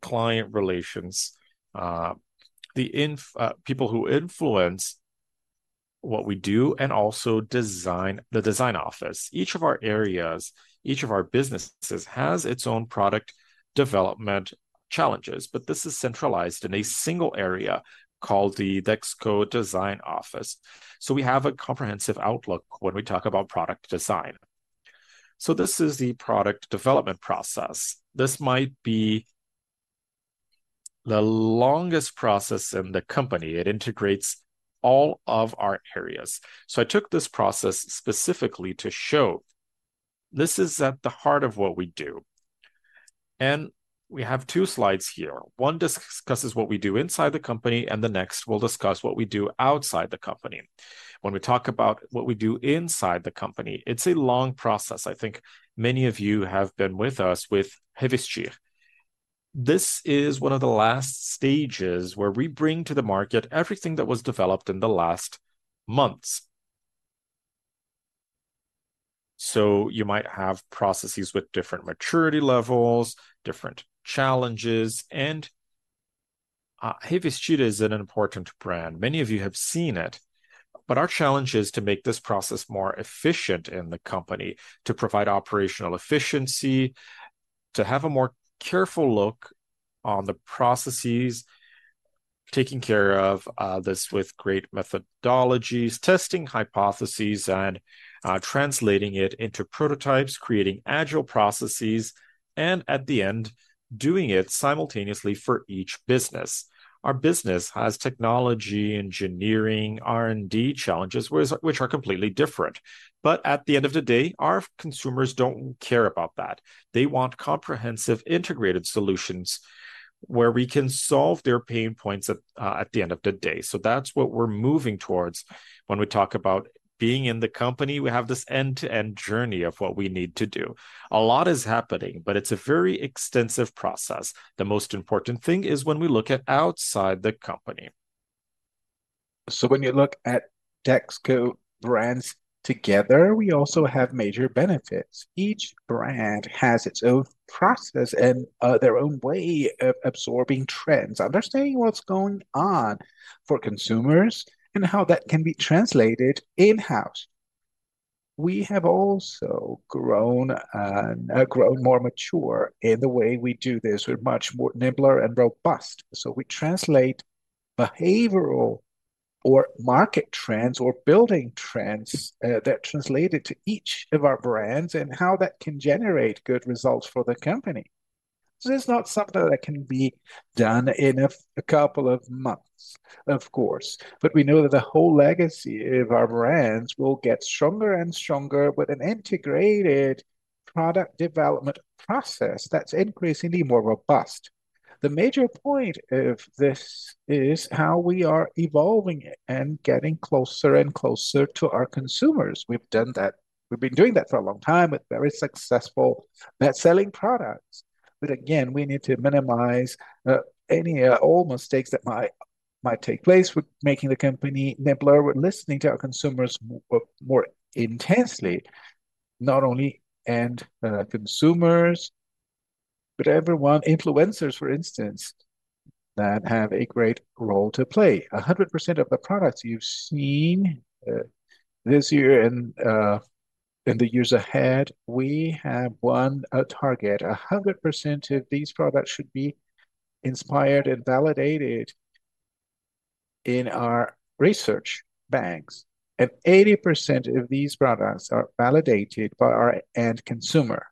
client relations, the people who influence what we do, and also design, the design office. Each of our areas, each of our businesses, has its own product development challenges, but this is centralized in a single area called the Dexco Design Office. So we have a comprehensive outlook when we talk about product design. So this is the product development process. This might be the longest process in the company. It integrates all of our areas. So I took this process specifically to show this is at the heart of what we do. And we have two slides here. One discusses what we do inside the company, and the next, we'll discuss what we do outside the company. When we talk about what we do inside the company, it's a long process. I think many of you have been with us with Revestir. This is one of the last stages where we bring to the market everything that was developed in the last months. So you might have processes with different maturity levels, different challenges, and, Revestir is an important brand. Many of you have seen it, but our challenge is to make this process more efficient in the company, to provide operational efficiency, to have a more careful look on the processes, taking care of this with great methodologies, testing hypotheses and translating it into prototypes, creating agile processes, and at the end, doing it simultaneously for each business. Our business has technology, engineering, R&D challenges, which are completely different. But at the end of the day, our consumers don't care about that. They want comprehensive, integrated solutions, where we can solve their pain points at the end of the day. So that's what we're moving towards. When we talk about being in the company, we have this end-to-end journey of what we need to do. A lot is happening, but it's a very extensive process. The most important thing is when we look at outside the company. When you look at Dexco brands together, we also have major benefits. Each brand has its own process and their own way of absorbing trends, understanding what's going on for consumers, and how that can be translated in-house. We have also grown and grown more mature in the way we do this. We're much more nimbler and robust, so we translate behavioral or market trends or building trends that translate into each of our brands and how that can generate good results for the company. This is not something that can be done in a couple of months, of course, but we know that the whole legacy of our brands will get stronger and stronger with an integrated product development process that's increasingly more robust. The major point of this is how we are evolving it and getting closer and closer to our consumers. We've done that... We've been doing that for a long time with very successful best-selling products. But again, we need to minimize any old mistakes that might take place with making the company nimbler, with listening to our consumers more intensely, not only end consumers, but everyone, influencers, for instance, that have a great role to play. 100% of the products you've seen this year and in the years ahead, we have one target. 100% of these products should be inspired and validated in our research banks, and 80% of these products are validated by our end consumer.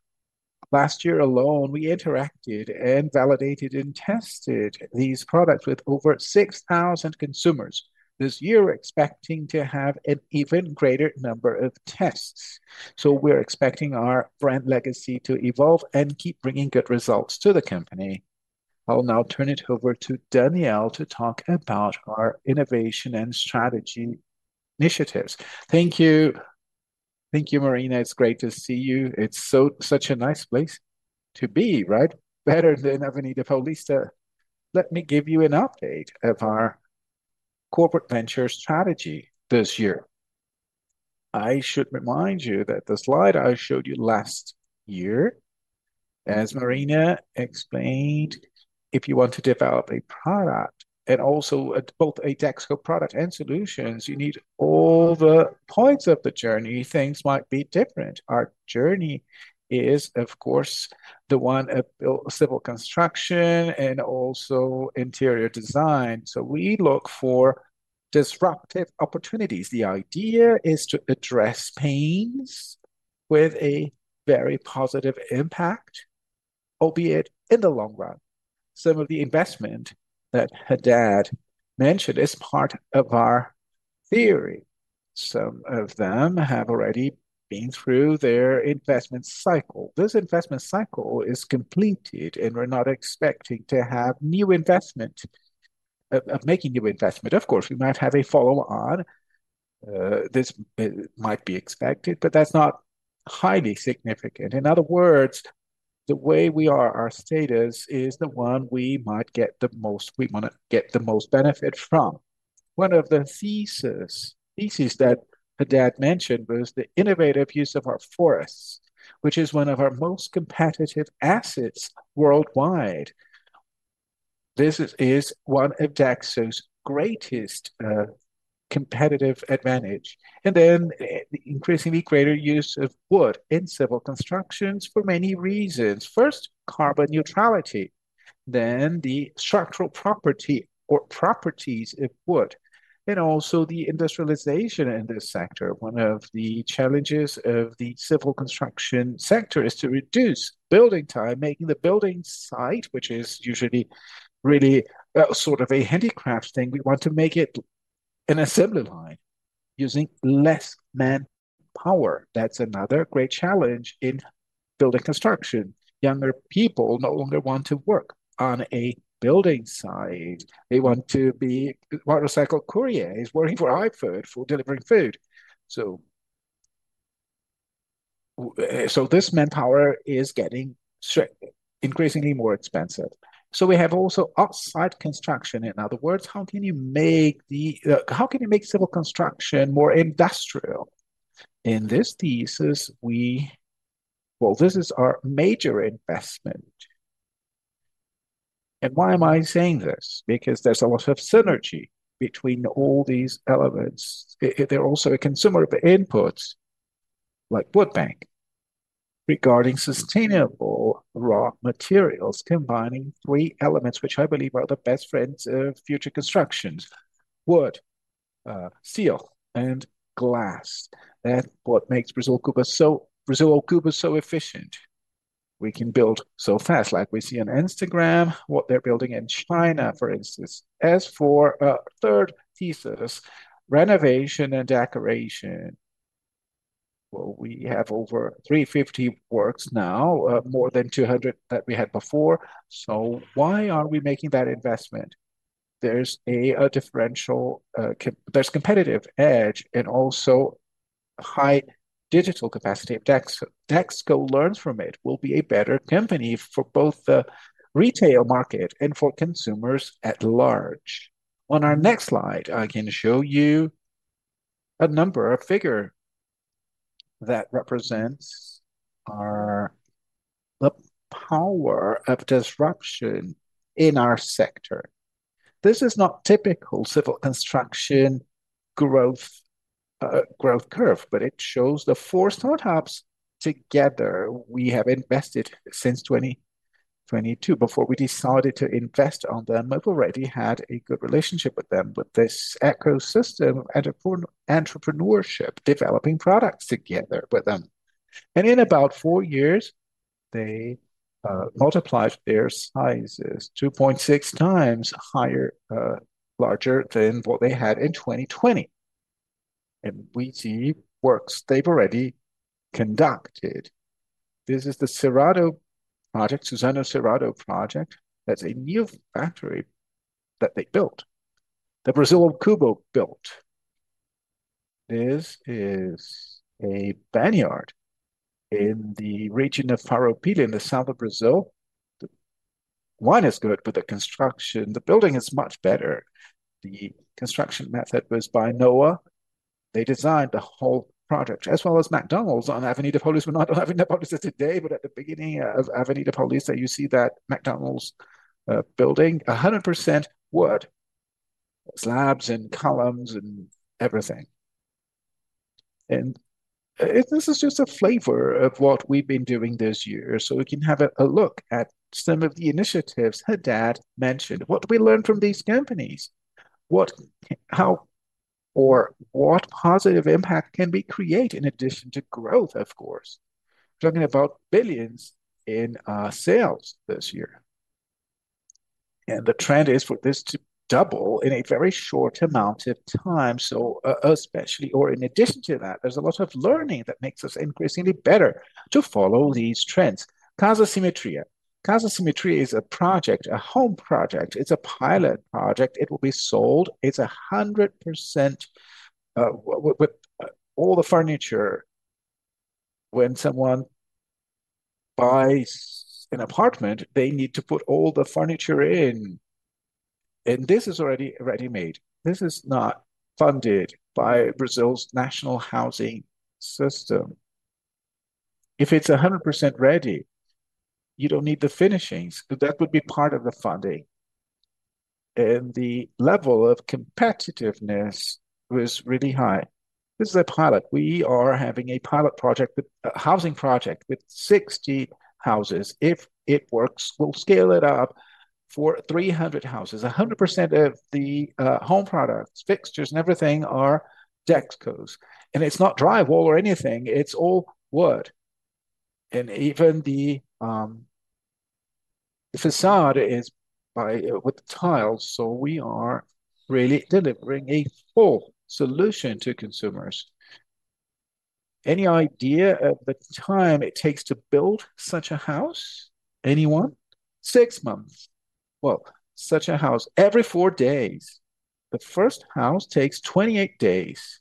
Last year alone, we interacted and validated and tested these products with over 6,000 consumers. This year, we're expecting to have an even greater number of tests. So we're expecting our brand legacy to evolve and keep bringing good results to the company. I'll now turn it over to Daniel to talk about our innovation and strategy initiatives. Thank you. Thank you, Marina. It's great to see you. It's such a nice place to be, right? Better than Avenida Paulista. Let me give you an update of our corporate venture strategy this year. I should remind you that the slide I showed you last year, as Marina explained, if you want to develop a product and also both a Dexco product and solutions, you need all the points of the journey. Things might be different. Our journey is, of course, the one of civil construction and also interior design, so we look for disruptive opportunities. The idea is to address pains with a very positive impact, albeit in the long run. Some of the investment that Haddad mentioned is part of our theory. Some of them have already been through their investment cycle. This investment cycle is completed, and we're not expecting to have new investment, of making new investment. Of course, we might have a follow-on. This might be expected, but that's not highly significant. In other words, the way we are, our status is the one we might get the most we want to get the most benefit from. One of the thesis that Haddad mentioned was the innovative use of our forests, which is one of our most competitive assets worldwide. This is one of Dexco's greatest competitive advantage, and then increasingly greater use of wood in civil constructions for many reasons. First, carbon neutrality, then the structural property or properties of wood, and also the industrialization in this sector. One of the challenges of the civil construction sector is to reduce building time, making the building site, which is usually really sort of a handicrafts thing. We want to make it an assembly line using less manpower. That's another great challenge in building construction. Younger people no longer want to work on a building site. They want to be motorcycle couriers working for iFood, for delivering food. So, so this manpower is getting increasingly more expensive. So we have also off-site construction. In other words, how can you make the, How can you make civil construction more industrial? In this thesis, Well, this is our major investment. And why am I saying this? Because there's a lot of synergy between all these elements. They're also a consumer of inputs, like Urbem, regarding sustainable raw materials, combining three elements which I believe are the best friends of future constructions: wood, steel, and glass. That's what makes Brasil ao Cubo so efficient. We can build so fast, like we see on Instagram, what they're building in China, for instance. As for our third thesis, renovation and decoration. Well, we have over 350 works now, more than 200 that we had before. So why are we making that investment? There's a differential, there's competitive edge and also high digital capacity of Dexco. Dexco learns from it, will be a better company for both the retail market and for consumers at large. On our next slide, I'm going to show you a number, a figure that represents the power of disruption in our sector. This is not typical civil construction growth, growth curve, but it shows the four startups together we have invested since 2022. Before we decided to invest on them, we've already had a good relationship with them, with this ecosystem and entrepreneurship, developing products together with them. In about four years, they multiplied their sizes 2.6 times higher, larger than what they had in 2020. We see works they've already conducted. This is the Cerrado Project, Suzano Cerrado Project. That's a new factory that they built, that Brasil ao Cubo built. This is a vineyard in the region of Farroupilha, in the south of Brazil. The wine is good, but the construction, the building is much better. The construction method was by Noah. They designed the whole project as well as McDonald's on Avenida Paulista. We're not having that today, but at the beginning of Avenida Paulista, you see that McDonald's building, 100% wood, slabs and columns and everything. This is just a flavor of what we've been doing this year. So we can have a look at some of the initiatives Haddad mentioned. What we learned from these companies? What, how or what positive impact can we create in addition to growth, of course? We're talking about billions in sales this year, and the trend is for this to double in a very short amount of time. So, especially or in addition to that, there's a lot of learning that makes us increasingly better to follow these trends. Casa Simetria. Casa Simetria is a project, a home project. It's a pilot project. It will be sold. It's 100%, with all the furniture. When someone buys an apartment, they need to put all the furniture in, and this is already ready-made. This is not funded by Brazil's national housing system. If it's 100% ready, you don't need the finishings, because that would be part of the funding, and the level of competitiveness is really high. This is a pilot. We are having a pilot project with a housing project with 60 houses. If it works, we'll scale it up for 300 houses. 100% of the home products, fixtures, and everything are Dexco's. And it's not drywall or anything, it's all wood, and even the façade is by with the tiles. So we are really delivering a full solution to consumers. Any idea of the time it takes to build such a house? Anyone? Six months. Well, such a house every four days. The first house takes 28 days,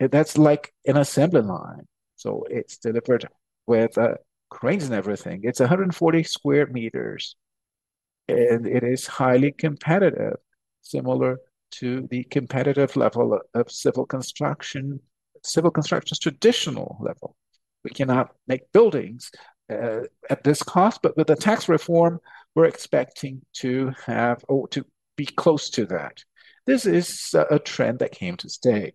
and that's like an assembly line, so it's delivered with cranes and everything. It's 140 square meters, and it is highly competitive, similar to the competitive level of civil construction, civil construction's traditional level. We cannot make buildings at this cost, but with the tax reform, we're expecting to have or to be close to that. This is a trend that came to stay.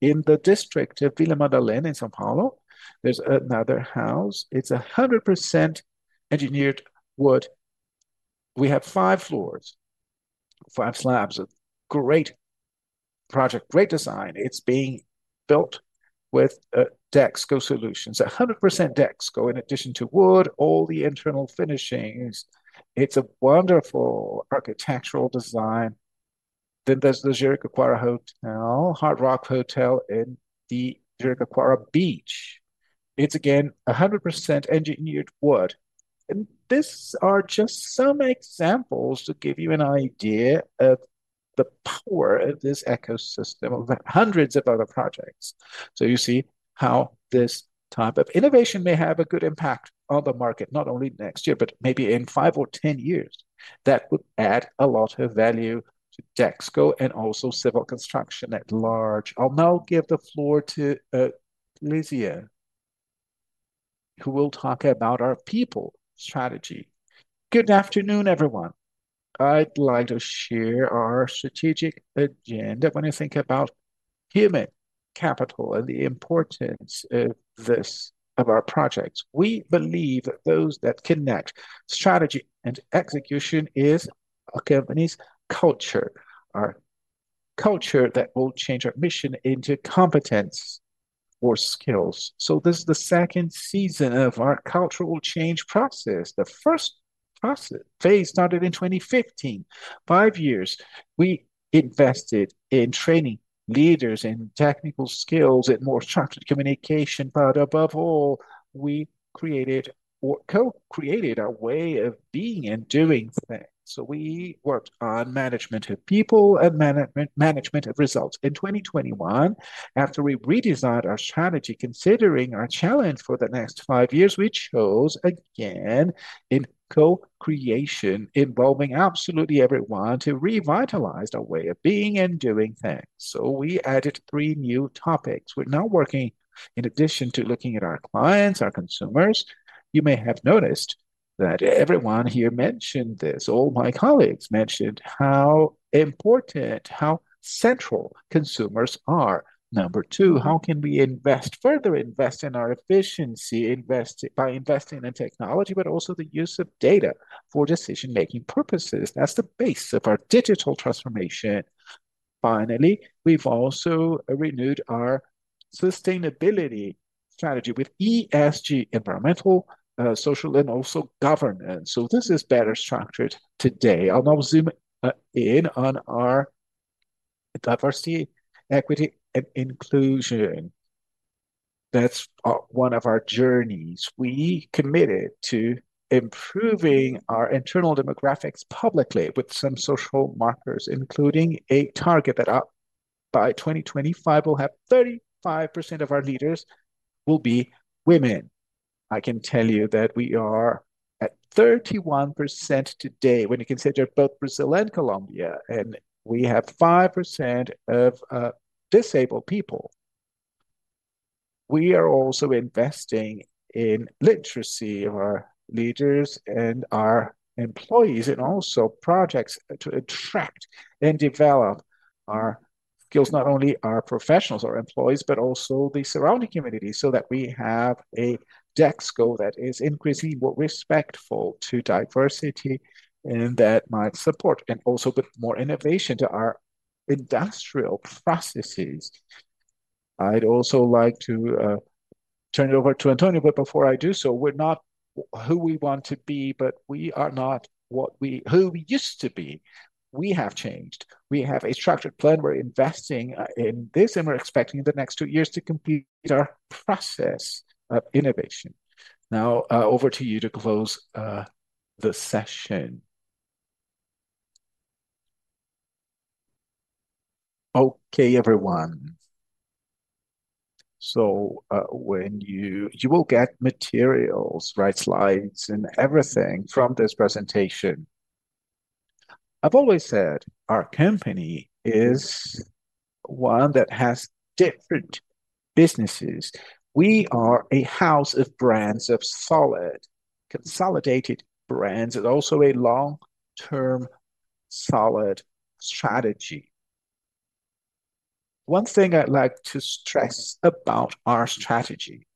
In the district of Vila Madalena in São Paulo, there's another house. It's 100% engineered wood. We have five floors, five slabs, a great project, great design. It's being built with Dexco solutions. 100% Dexco, in addition to wood, all the internal finishings. It's a wonderful architectural design. Then there's the Jericoacoara Hotel, Hard Rock Hotel in the Jericoacoara Beach. It's again, 100% engineered wood. These are just some examples to give you an idea of the power of this ecosystem, of hundreds of other projects. So you see how this type of innovation may have a good impact on the market, not only next year, but maybe in five or ten years. That would add a lot of value to Dexco and also civil construction at large. I'll now give the floor to Glizia, who will talk about our people strategy. Good afternoon, everyone. I'd like to share our strategic agenda when you think about human capital and the importance of this, of our projects. We believe that those that connect strategy and execution is a company's culture, a culture that will change our mission into competence or skills. So this is the second season of our cultural change process. The first process phase started in 2015, five years. We invested in training leaders in technical skills, in more structured communication, but above all, we created or co-created a way of being and doing things. So we worked on management of people and management, management of results. In 2021, after we redesigned our strategy, considering our challenge for the next five years, we chose again in co-creation, involving absolutely everyone to revitalize our way of being and doing things. So we added three new topics. We're now working in addition to looking at our clients, our consumers. You may have noticed that everyone here mentioned this. All my colleagues mentioned how important, how central consumers are. Number two, how can we invest, further invest in our efficiency, invest by investing in technology, but also the use of data for decision-making purposes? That's the base of our digital transformation. Finally, we've also renewed our sustainability strategy with ESG, environmental, social, and also governance. So this is better structured today. I'll now zoom in on our diversity, equity, and inclusion. That's one of our journeys. We committed to improving our internal demographics publicly with some social markers, including a target that by 2025, we'll have 35% of our leaders will be women. I can tell you that we are at 31% today, when you consider both Brazil and Colombia, and we have 5% of disabled people. We are also investing in literacy of our leaders and our employees, and also projects to attract and develop our skills, not only our professionals, our employees, but also the surrounding community, so that we have a Dexco that is increasingly more respectful to diversity and that might support, and also put more innovation to our industrial processes. I'd also like to turn it over to Antonio, but before I do so, we're not who we want to be, but we are not who we used to be. We have changed. We have a structured plan. We're investing in this, and we're expecting in the next two years to complete our process of innovation. Now, over to you to close the session. Okay, everyone. So, when you will get materials, right, slides and everything from this presentation. I've always said our company is one that has different businesses. We are a house of brands, of solid, consolidated brands, and also a long-term, solid strategy. One thing I'd like to stress about our strategy,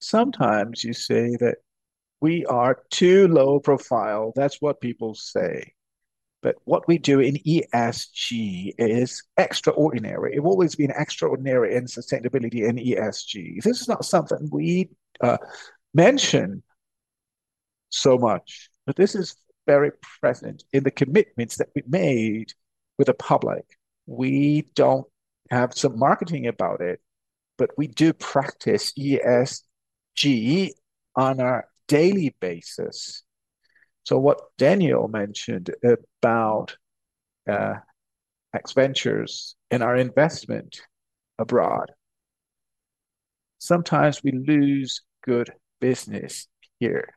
sometimes you say that we are too low profile. That's what people say, but what we do in ESG is extraordinary. We've always been extraordinary in sustainability and ESG. This is not something we mention so much, but this is very present in the commitments that we've made with the public. We don't have some marketing about it, but we do practice ESG on a daily basis. So what Daniel mentioned about DX Ventures and our investment abroad, sometimes we lose good business here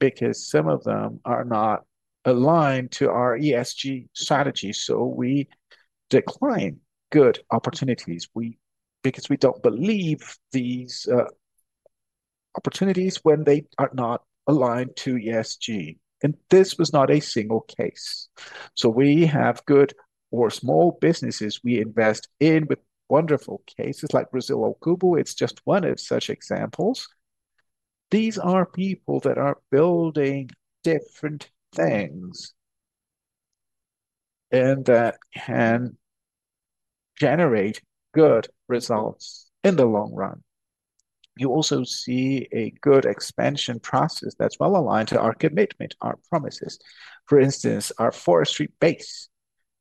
because some of them are not aligned to our ESG strategy, so we decline good opportunities. Because we don't believe these opportunities when they are not aligned to ESG, and this was not a single case. So we have good or small businesses we invest in with wonderful cases like Brasil ao Cubo, it's just one of such examples. These are people that are building different things and that can generate good results in the long run. You also see a good expansion process that's well aligned to our commitment, our promises. For instance, our forestry base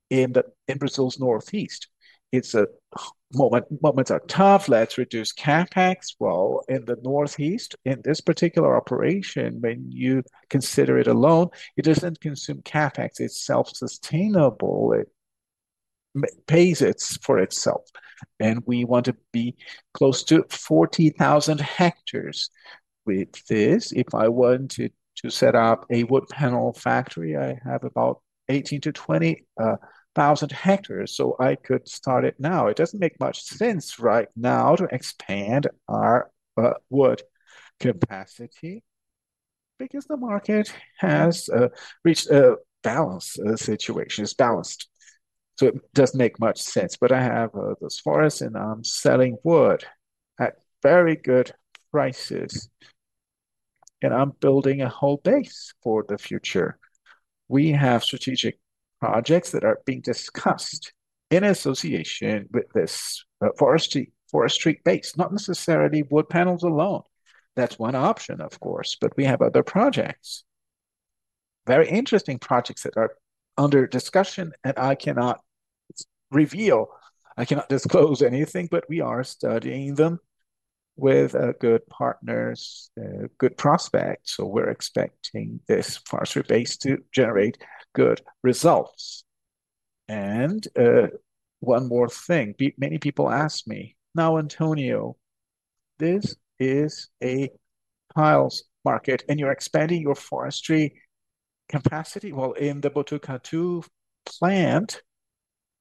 in Brazil's Northeast. Moments are tough, let's reduce CapEx. Well, in the Northeast, in this particular operation, when you consider it alone, it doesn't consume CapEx. It's self-sustainable. It pays for itself, and we want to be close to 40,000 hectares with this. If I wanted to set up a wood panel factory, I have about 18-20 thousand hectares, so I could start it now. It doesn't make much sense right now to expand our wood capacity because the market has reached a balance situation. It's balanced, so it doesn't make much sense. But I have this forest and I'm selling wood at very good prices, and I'm building a whole base for the future. We have strategic projects that are being discussed in association with this forestry base, not necessarily wood panels alone. That's one option, of course, but we have other projects, very interesting projects that are under discussion, and I cannot reveal, I cannot disclose anything, but we are studying them with good partners, good prospects, so we're expecting this forestry base to generate good results. And one more thing, many people ask me, "Now, Antonio, this is a tiles market, and you're expanding your forestry capacity?" Well, in the Botucatu plant.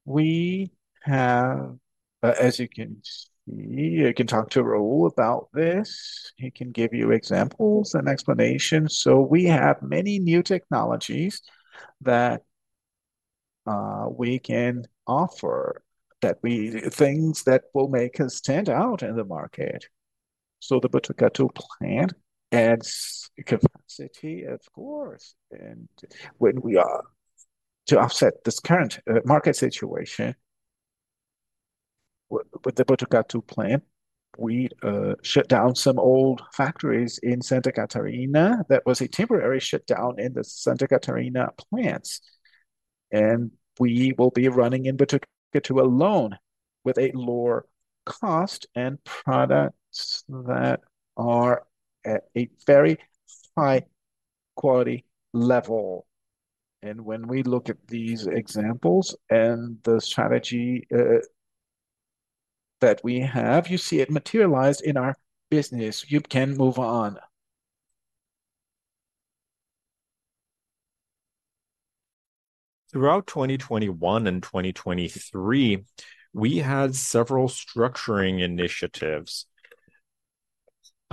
We have, as you can see, you can talk to Raul about this. He can give you examples and explanations. So we have many new technologies that we can offer, things that will make us stand out in the market. So the Botucatu plant adds capacity, of course, and when we are to offset this current market situation, with the Botucatu plant, we shut down some old factories in Santa Catarina. That was a temporary shutdown in the Santa Catarina plants, and we will be running in Botucatu alone, with a lower cost and products that are at a very high quality level. When we look at these examples and the strategy that we have, you see it materialized in our business. You can move on. Throughout 2021 and 2023, we had several structuring initiatives.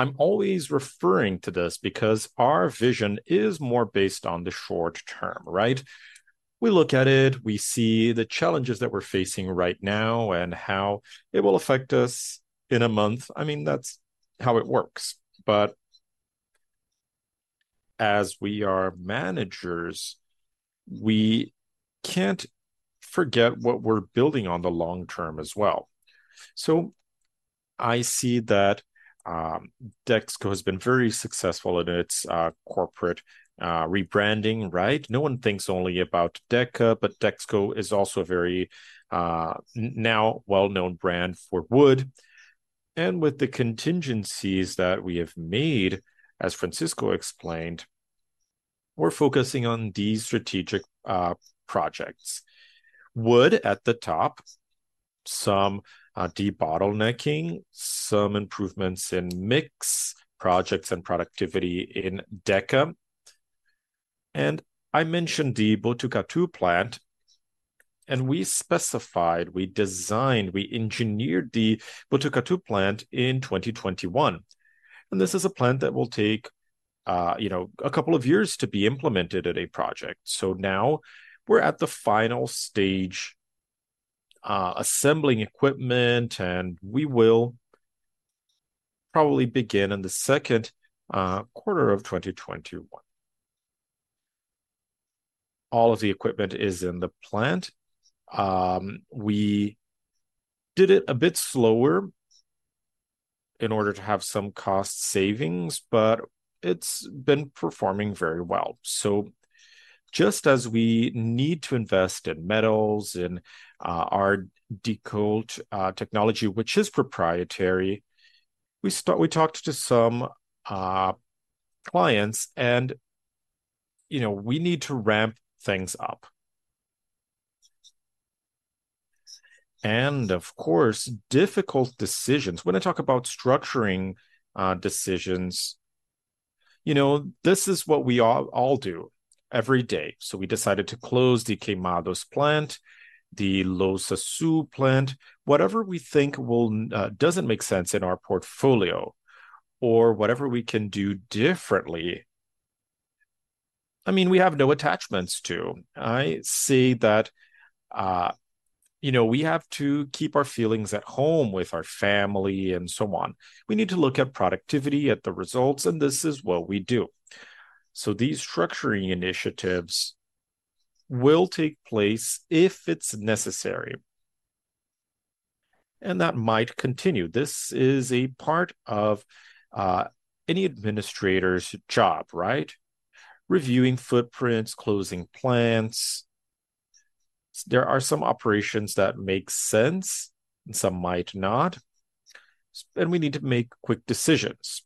I'm always referring to this because our vision is more based on the short term, right? We look at it, we see the challenges that we're facing right now, and how it will affect us in a month. I mean, that's how it works. But as we are managers, we can't forget what we're building on the long term as well. So I see that, Dexco has been very successful in its corporate rebranding, right? No one thinks only about Deca, but Dexco is also a very now well-known brand for wood, and with the contingencies that we have made, as Francisco explained, we're focusing on these strategic projects. Wood at the top, some debottlenecking, some improvements in mix, projects and productivity in Deca, and I mentioned the Botucatu plant, and we specified, we designed, we engineered the Botucatu plant in 2021, and this is a plant that will take, you know, a couple of years to be implemented at a project. So now we're at the final stage, assembling equipment, and we will probably begin in the second quarter of 2021. All of the equipment is in the plant. We did it a bit slower in order to have some cost savings, but it's been performing very well. So just as we need to invest in metals and, our D.Coat technology, which is proprietary, we start, we talked to some clients, and, you know, we need to ramp things up. And of course, difficult decisions. When I talk about structuring decisions, you know, this is what we all, all do every day. So we decided to close the Queimados plant, the Louças Sul plant. Whatever we think will doesn't make sense in our portfolio, or whatever we can do differently, I mean, we have no attachments to. I say that, you know, we have to keep our feelings at home with our family and so on. We need to look at productivity, at the results, and this is what we do. So these structuring initiatives will take place if it's necessary, and that might continue. This is a part of any administrator's job, right? Reviewing footprints, closing plants. There are some operations that make sense, and some might not, and we need to make quick decisions.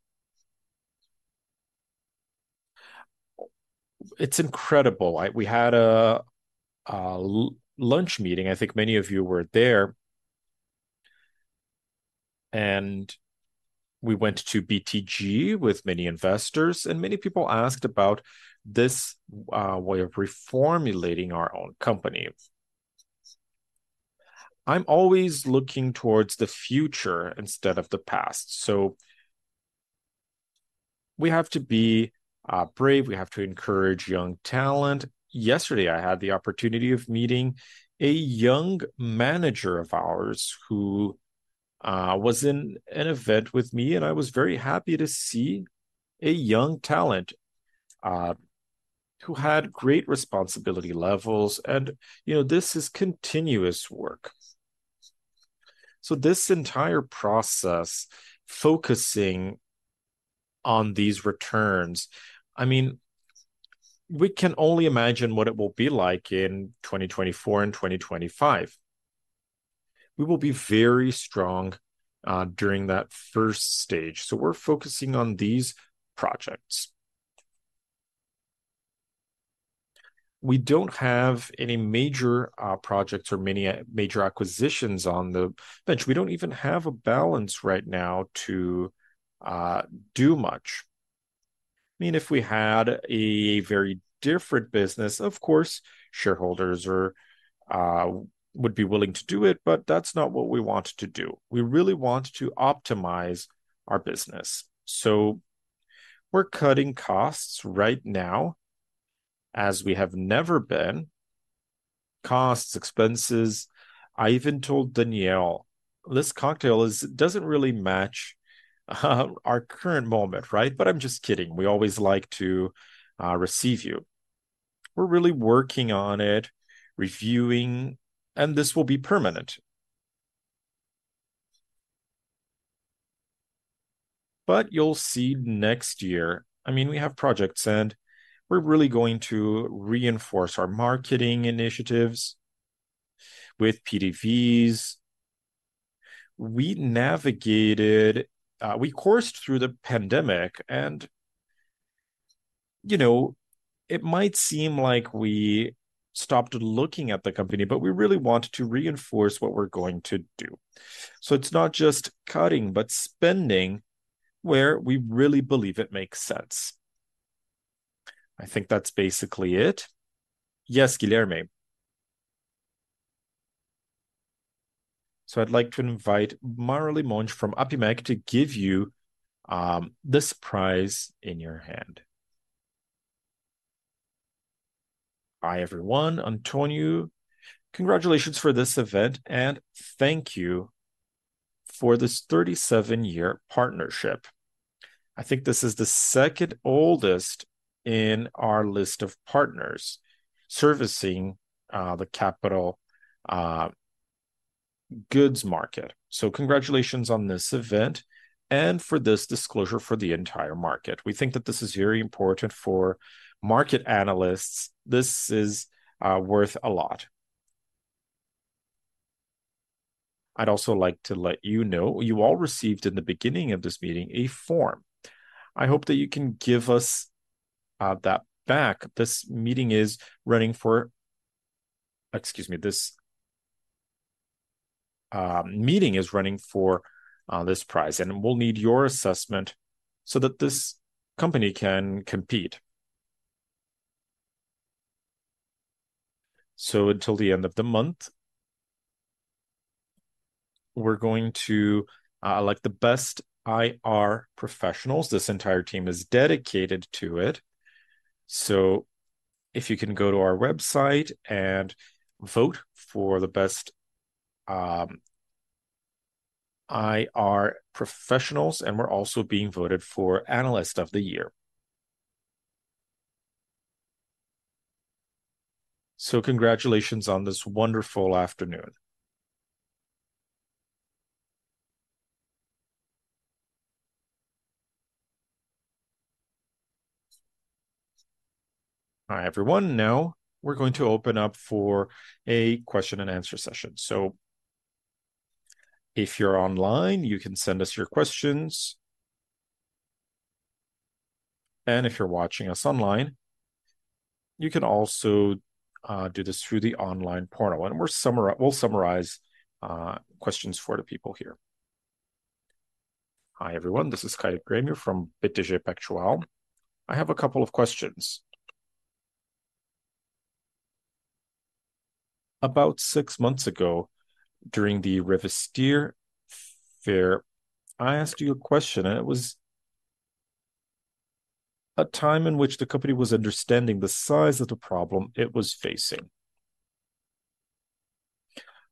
It's incredible. We had a lunch meeting, I think many of you were there, and we went to BTG with many investors, and many people asked about this way of reformulating our own company. I'm always looking towards the future instead of the past, so we have to be brave, we have to encourage young talent. Yesterday, I had the opportunity of meeting a young manager of ours who was in an event with me, and I was very happy to see a young talent who had great responsibility levels, and, you know, this is continuous work. So this entire process, focusing on these returns, I mean, we can only imagine what it will be like in 2024 and 2025. We will be very strong during that first stage, so we're focusing on these projects. We don't have any major projects or many major acquisitions on the bench. We don't even have a balance right now to do much. I mean, if we had a very different business, of course, shareholders would be willing to do it, but that's not what we want to do. We really want to optimize our business. So we're cutting costs right now, as we have never been. Costs, expenses. I even told Danielle, "This cocktail doesn't really match our current moment, right?" But I'm just kidding. We always like to receive you. We're really working on it, reviewing, and this will be permanent. But you'll see next year, I mean, we have projects, and we're really going to reinforce our marketing initiatives with PDVs. We navigated, we coursed through the pandemic, and, you know, it might seem like we stopped looking at the company, but we really want to reinforce what we're going to do. So it's not just cutting, but spending where we really believe it makes sense. I think that's basically it. Yes, Guilherme. So I'd like to invite Marily Monge from APIMEC to give you, this prize in your hand. Hi, everyone. Antonio, congratulations for this event, and thank you for this 37-year partnership. I think this is the second oldest in our list of partners servicing, the capital, goods market. So congratulations on this event and for this disclosure for the entire market. We think that this is very important for market analysts. This is, worth a lot. I'd also like to let you know, you all received in the beginning of this meeting a form. I hope that you can give us that back. This meeting is running for... Excuse me, this meeting is running for this prize, and we'll need your assessment so that this company can compete. So until the end of the month, we're going to elect the best IR professionals. This entire team is dedicated to it. So if you can go to our website and vote for the best IR professionals, and we're also being voted for Analyst of the Year. So congratulations on this wonderful afternoon. All right, everyone, now we're going to open up for a question and answer session. So if you're online, you can send us your questions. If you're watching us online, you can also do this through the online portal, and we'll summarize questions for the people here. Hi, everyone, this is Caio Greiner from BTG Pactual. I have a couple of questions. About six months ago, during the Revestir Fair, I asked you a question, and it was a time in which the company was understanding the size of the problem it was facing.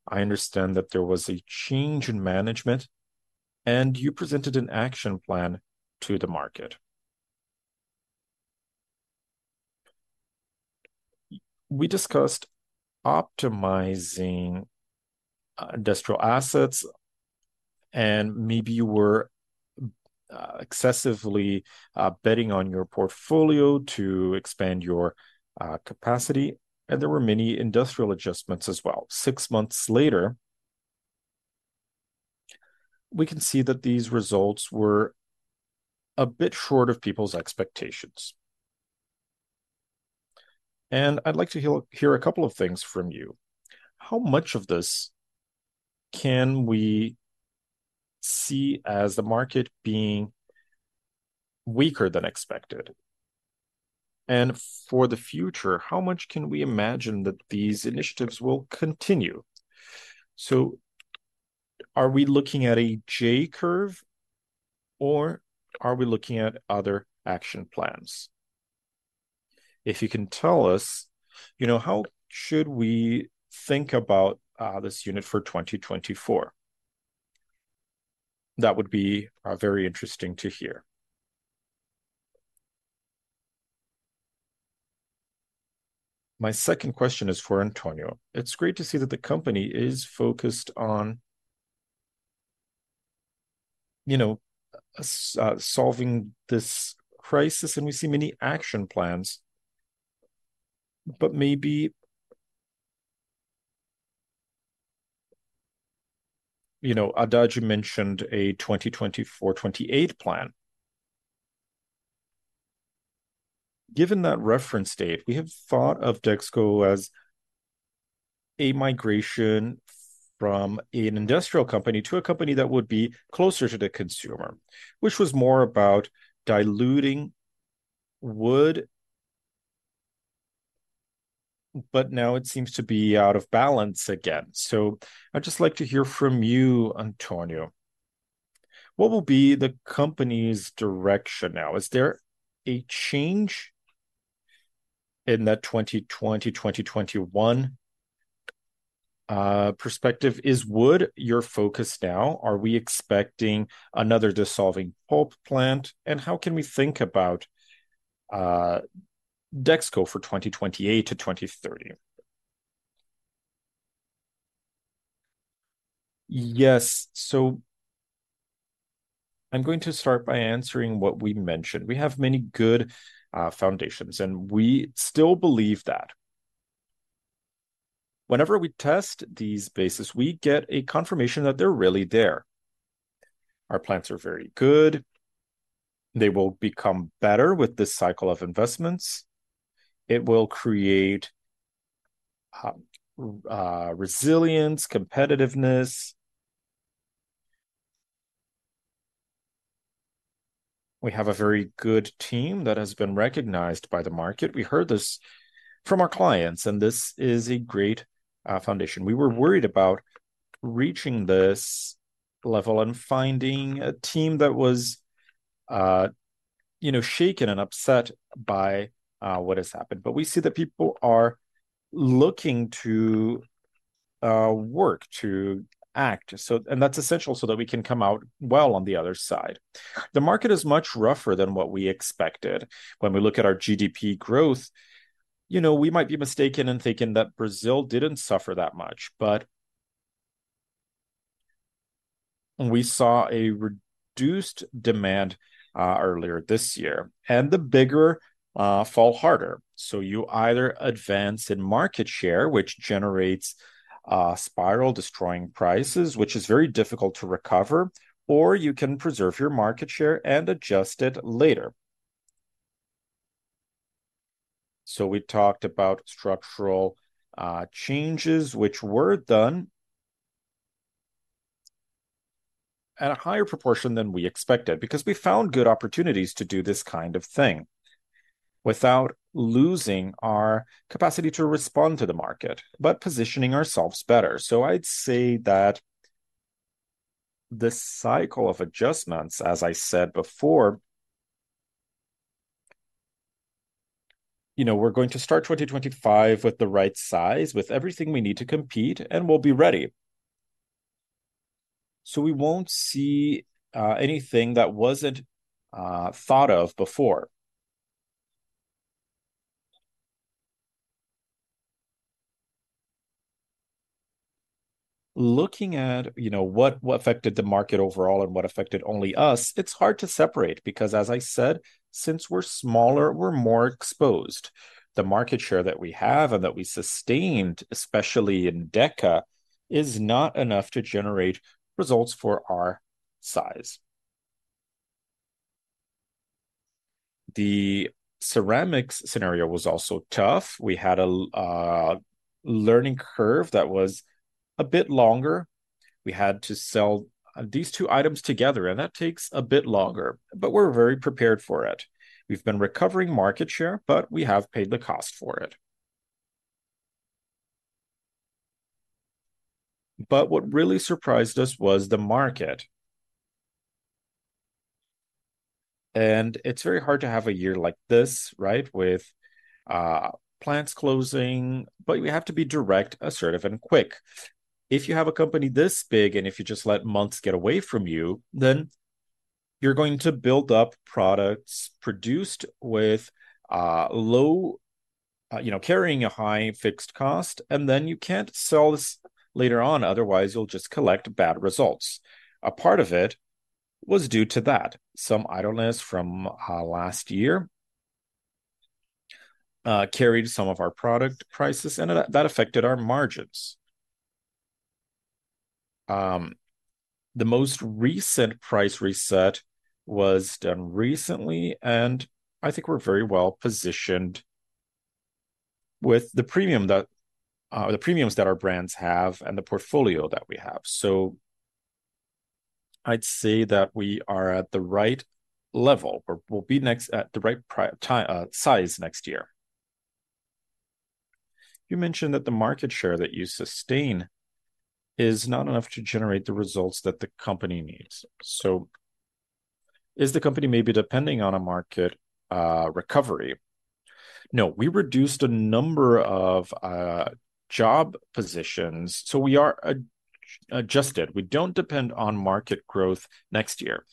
I understand that there was a change in management, and you presented an action plan to the market. We discussed optimizing industrial assets, and maybe you were excessively betting on your portfolio to expand your capacity, and there were many industrial adjustments as well. Six months later, we can see that these results were a bit short of people's expectations. I'd like to hear a couple of things from you. How much of this can we see as the market being weaker than expected? And for the future, how much can we imagine that these initiatives will continue? So are we looking at a J curve, or are we looking at other action plans? If you can tell us, you know, how should we think about this unit for 2024? That would be very interesting to hear. My second question is for Antonio. It's great to see that the company is focused on, you know, solving this crisis, and we see many action plans, but maybe... You know, Haddad mentioned a 2024-2028 plan. Given that reference date, we have thought of Dexco as a-... A migration from an industrial company to a company that would be closer to the consumer, which was more about diluting wood, but now it seems to be out of balance again. So I'd just like to hear from you, Antonio, what will be the company's direction now? Is there a change in that 2020, 2021, perspective? Is Wood your focus now? Are we expecting another dissolving pulp plant, and how can we think about, Dexco for 2028 to 2030? Yes. So I'm going to start by answering what we mentioned. We have many good, foundations, and we still believe that. Whenever we test these bases, we get a confirmation that they're really there. Our plants are very good. They will become better with this cycle of investments. It will create, resilience, competitiveness. We have a very good team that has been recognized by the market. We heard this from our clients, and this is a great foundation. We were worried about reaching this level and finding a team that was, you know, shaken and upset by what has happened. But we see that people are looking to work, to act, so—and that's essential so that we can come out well on the other side. The market is much rougher than what we expected. When we look at our GDP growth, you know, we might be mistaken in thinking that Brazil didn't suffer that much, but we saw a reduced demand earlier this year, and the bigger fall harder. So you either advance in market share, which generates a spiral, destroying prices, which is very difficult to recover, or you can preserve your market share and adjust it later. We talked about structural changes, which were done at a higher proportion than we expected, because we found good opportunities to do this kind of thing without losing our capacity to respond to the market, but positioning ourselves better. I'd say that this cycle of adjustments, as I said before, you know, we're going to start 2025 with the right size, with everything we need to compete, and we'll be ready. We won't see anything that wasn't thought of before. Looking at, you know, what affected the market overall and what affected only us, it's hard to separate because, as I said, since we're smaller, we're more exposed. The market share that we have and that we sustained, especially in Deca, is not enough to generate results for our size. The ceramics scenario was also tough. We had a learning curve that was a bit longer. We had to sell these two items together, and that takes a bit longer, but we're very prepared for it. We've been recovering market share, but we have paid the cost for it. But what really surprised us was the market. And it's very hard to have a year like this, right, with plants closing, but you have to be direct, assertive, and quick. If you have a company this big, and if you just let months get away from you, then you're going to build up products produced with low... You know, carrying a high fixed cost, and then you can't sell this later on, otherwise you'll just collect bad results. A part of it was due to that. Some idleness from last year carried some of our product prices, and that affected our margins. The most recent price reset was done recently, and I think we're very well positioned with the premium that the premiums that our brands have and the portfolio that we have. So I'd say that we are at the right level or we'll be at the right price next year. You mentioned that the market share that you sustain is not enough to generate the results that the company needs. So is the company maybe depending on a market recovery? No. We reduced a number of job positions, so we are adjusted. We don't depend on market growth next year.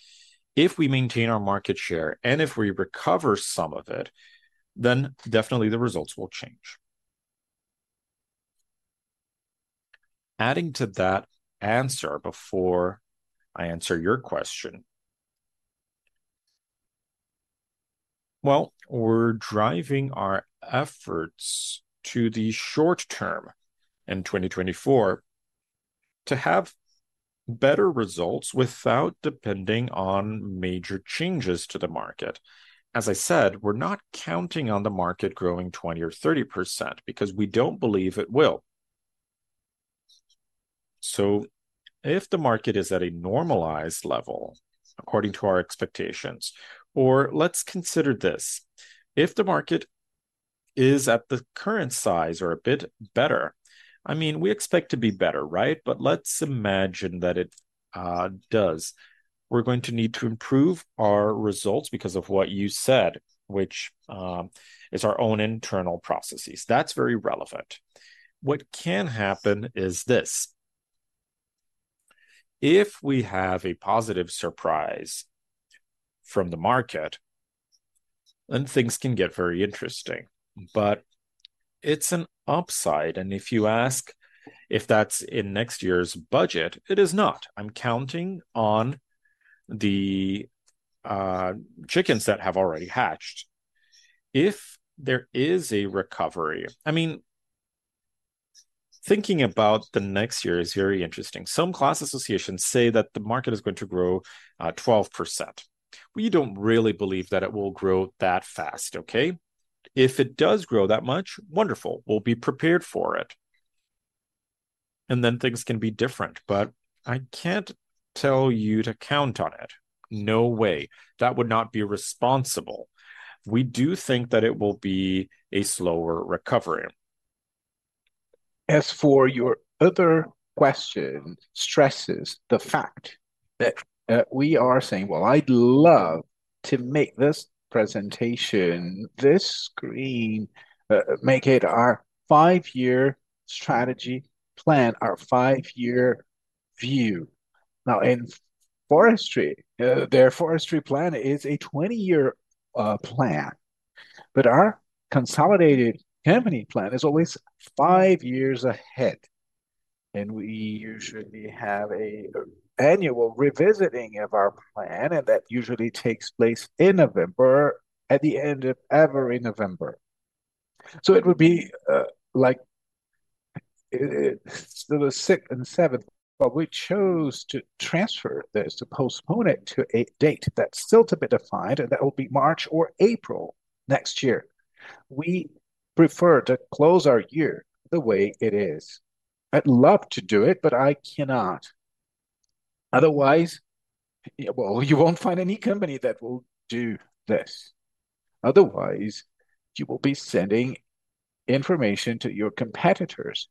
If we maintain our market share, and if we recover some of it, then definitely the results will change. Adding to that answer, before I answer your question... Well, we're driving our efforts to the short term in 2024 to have better results without depending on major changes to the market. As I said, we're not counting on the market growing 20%-30% because we don't believe it will. So if the market is at a normalized level, according to our expectations, or let's consider this, if the market is at the current size or a bit better, I mean, we expect to be better, right? But let's imagine that it does. We're going to need to improve our results because of what you said, which is our own internal processes. That's very relevant. What can happen is this: if we have a positive surprise from the market, then things can get very interesting, but it's an upside, and if you ask if that's in next year's budget, it is not. I'm counting on the chickens that have already hatched. If there is a recovery, I mean, thinking about the next year is very interesting. Some class associations say that the market is going to grow 12%. We don't really believe that it will grow that fast, okay? If it does grow that much, wonderful. We'll be prepared for it, and then things can be different, but I can't tell you to count on it. No way. That would not be responsible. We do think that it will be a slower recovery. As for your other question, stresses the fact that we are saying, well, I'd love to make this presentation, this screen, make it our five-year strategy plan, our five-year view. Now, in forestry, their forestry plan is a 20-year plan, but our consolidated company plan is always five years ahead, and we usually have an annual revisiting of our plan, and that usually takes place in November, at the end of every November. So it would be, like, the 6th and 7th, but we chose to transfer this, to postpone it to a date that's still to be defined, and that will be March or April next year. We prefer to close our year the way it is. I'd love to do it, but I cannot. Otherwise, well, you won't find any company that will do this. Otherwise, you will be sending information to your competitors,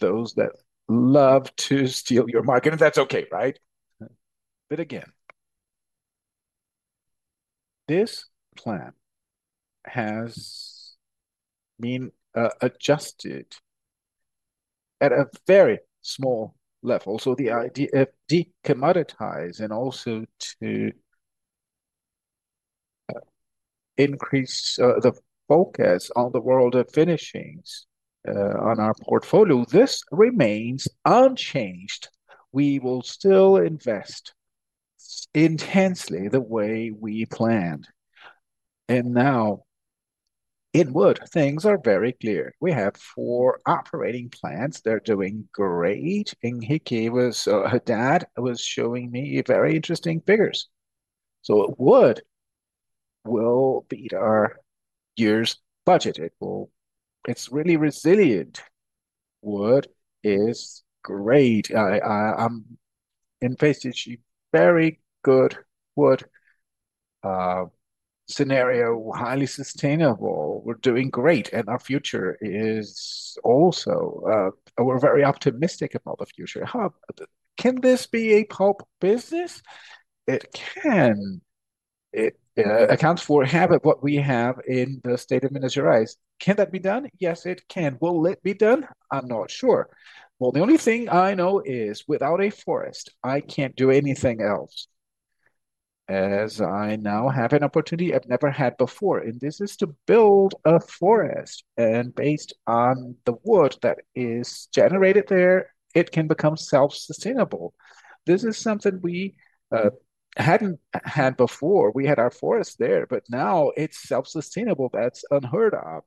those that love to steal your market, and that's okay, right? But again, this plan has been adjusted at a very small level. So the idea of decommoditizing and also to increase the focus on the world of finishings on our portfolio, this remains unchanged. We will still invest intensely the way we planned. And now in wood, things are very clear. We have four operating plants. They're doing great. Henrique Haddad was showing me very interesting figures. So wood will beat our year's budget. It will. It's really resilient. Wood is great. I invested very good wood scenario, highly sustainable. We're doing great, and our future is also. We're very optimistic about the future. Can this be a pulp business? It can. It accounts for half of what we have in the state of Minas Gerais. Can that be done? Yes, it can. Will it be done? I'm not sure. Well, the only thing I know is, without a forest, I can't do anything else. As I now have an opportunity I've never had before, and this is to build a forest, and based on the wood that is generated there, it can become self-sustainable. This is something we hadn't had before. We had our forest there, but now it's self-sustainable. That's unheard of.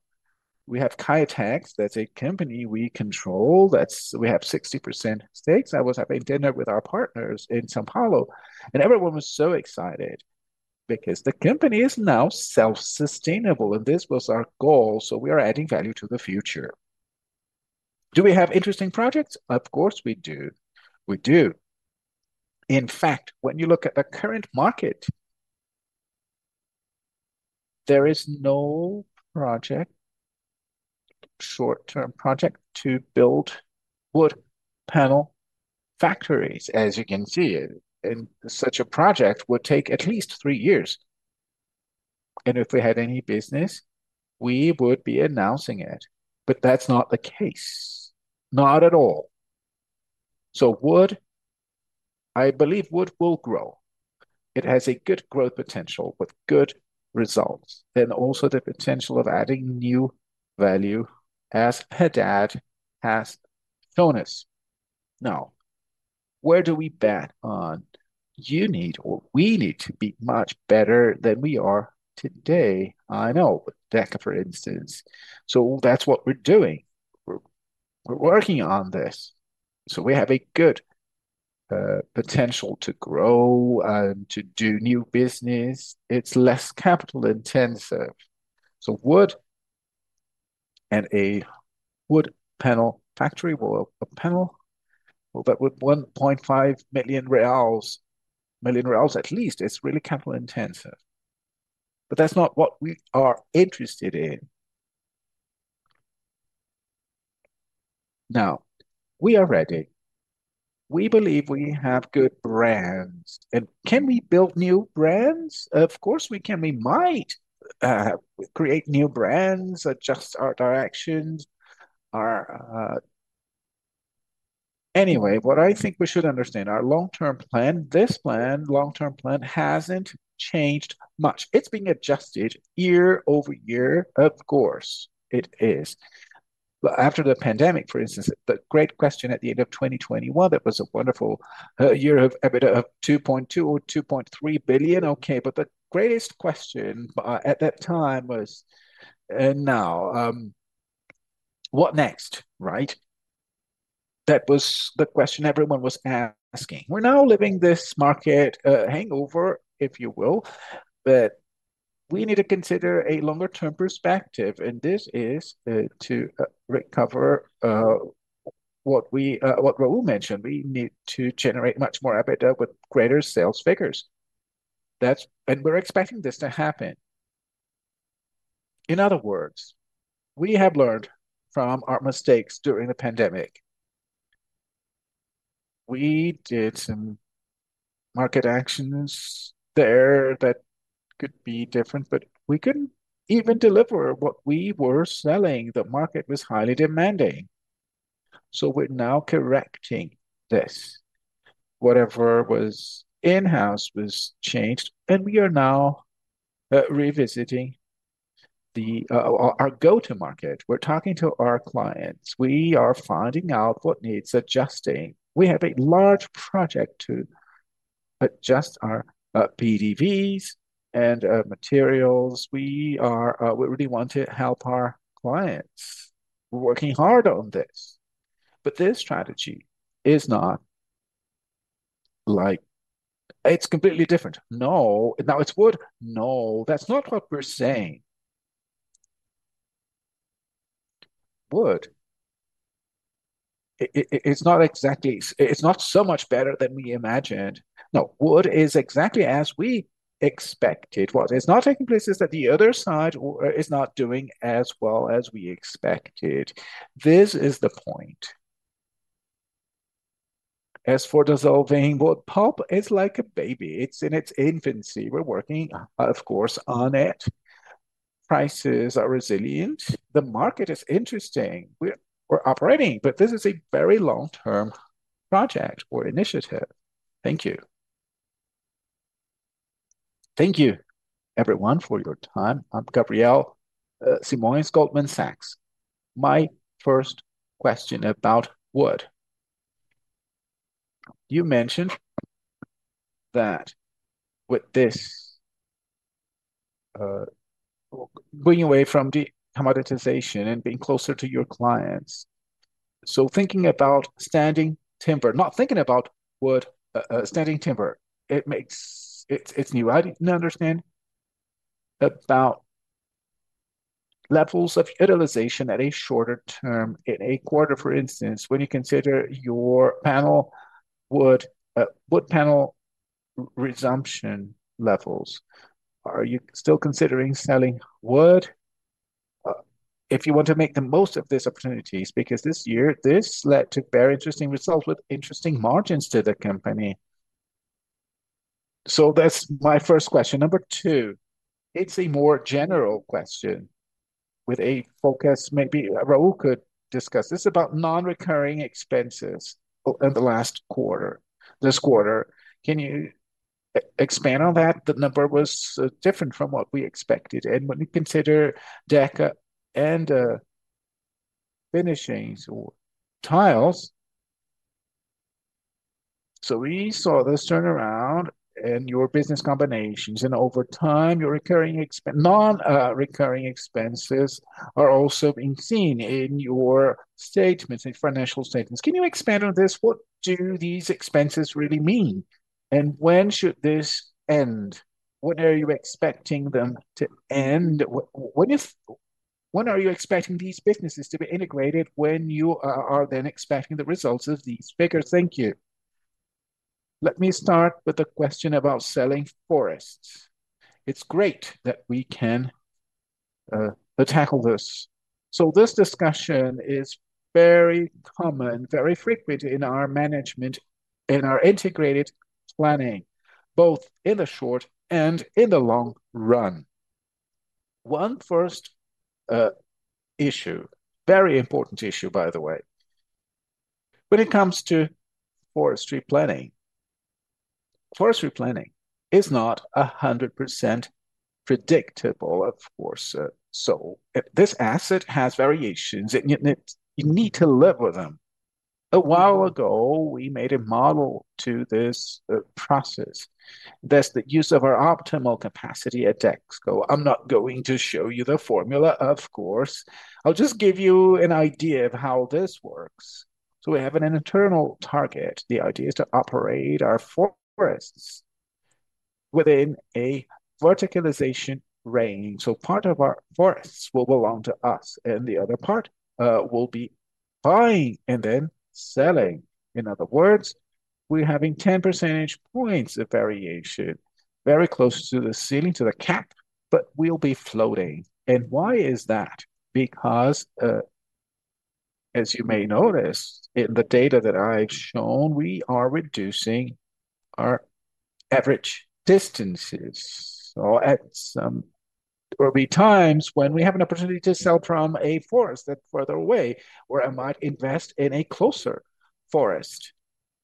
We have Caetex, that's a company we control, that's—we have 60% stakes. I was having dinner with our partners in São Paulo, and everyone was so excited because the company is now self-sustainable, and this was our goal, so we are adding value to the future. Do we have interesting projects? Of course, we do. We do. In fact, when you look at the current market, there is no project, short-term project, to build wood panel factories, as you can see, and such a project would take at least three years. And if we had any business, we would be announcing it, but that's not the case. Not at all. So wood, I believe wood will grow. It has a good growth potential with good results, and also the potential of adding new value, as Haddad has shown us. Now where do we bet on? You need or we need to be much better than we are today. I know, with Deca, for instance. So that's what we're doing. We're working on this, so we have a good potential to grow and to do new business. It's less capital intensive. So wood and a wood panel factory or a panel, well, that with 1.5 million reals, million reals at least, it's really capital intensive. But that's not what we are interested in. Now, we are ready. We believe we have good brands. Can we build new brands? Of course, we can. We might create new brands, adjust our directions, our... Anyway, what I think we should understand, our long-term plan, this plan, long-term plan hasn't changed much. It's been adjusted year-over-year, of course, it is. But after the pandemic, for instance, the great question at the end of 2021, it was a wonderful year of EBITDA of 2.2 billion or 2.3 billion, okay? But the greatest question at that time was, and now, what next, right? That was the question everyone was asking. We're now living this market hangover, if you will. But we need to consider a longer-term perspective, and this is to recover what Raul mentioned. We need to generate much more EBITDA with greater sales figures. That's. And we're expecting this to happen. In other words, we have learned from our mistakes during the pandemic. We did some market actions there that could be different, but we couldn't even deliver what we were selling. The market was highly demanding. So we're now correcting this. Whatever was in-house was changed, and we are now revisiting our go-to market. We're talking to our clients. We are finding out what needs adjusting. We have a large project to adjust our PDVs and materials. We really want to help our clients. We're working hard on this, but this strategy is not like... It's completely different. No. Now, it's wood. No, that's not what we're saying. Wood, it's not exactly. It's not so much better than we imagined. No, wood is exactly as we expected. What is not taking place is that the other side is not doing as well as we expected. This is the point. As for dissolving, well, pulp is like a baby. It's in its infancy. We're working, of course, on it. Prices are resilient. The market is interesting. We're operating, but this is a very long-term project or initiative. Thank you. Thank you, everyone, for your time. I'm Gabriel Simões, Goldman Sachs. My first question about wood. You mentioned that with this going away from de-commoditization and being closer to your clients. So thinking about standing timber, not thinking about wood, standing timber, it makes—it's new. I didn't understand about levels of utilization at a shorter term. In a quarter, for instance, when you consider your panel wood, wood panel resumption levels, are you still considering selling wood? If you want to make the most of this opportunities, because this year, this led to very interesting results with interesting margins to the company. So that's my first question. Number two, it's a more general question with a focus, maybe Raul could discuss. This is about non-recurring expenses in the last quarter, this quarter. Can you expand on that? The number was different from what we expected. When you consider Deca and finishings or tiles, so we saw this turnaround in your business combinations, and over time, your recurring non-recurring expenses are also being seen in your statements, in financial statements. Can you expand on this? What do these expenses really mean, and when should this end? When are you expecting them to end? When are you expecting these businesses to be integrated when you are then expecting the results of these figures? Thank you. Let me start with a question about selling forests. It's great that we can tackle this. So this discussion is very common, very frequent in our management, in our integrated planning, both in the short and in the long run. One first issue, very important issue, by the way. When it comes to forestry planning-... Forestry planning is not 100% predictable, of course. So if this asset has variations, it you need to live with them. A while ago, we made a model to this process. That's the use of our optimal capacity at Dexco. I'm not going to show you the formula, of course. I'll just give you an idea of how this works. So we have an internal target. The idea is to operate our forests within a verticalization range. So part of our forests will belong to us, and the other part will be buying and then selling. In other words, we're having 10 percentage points of variation, very close to the ceiling, to the cap, but we'll be floating. And why is that? Because, as you may notice, in the data that I've shown, we are reducing our average distances. There will be times when we have an opportunity to sell from a forest that's further away, or I might invest in a closer forest.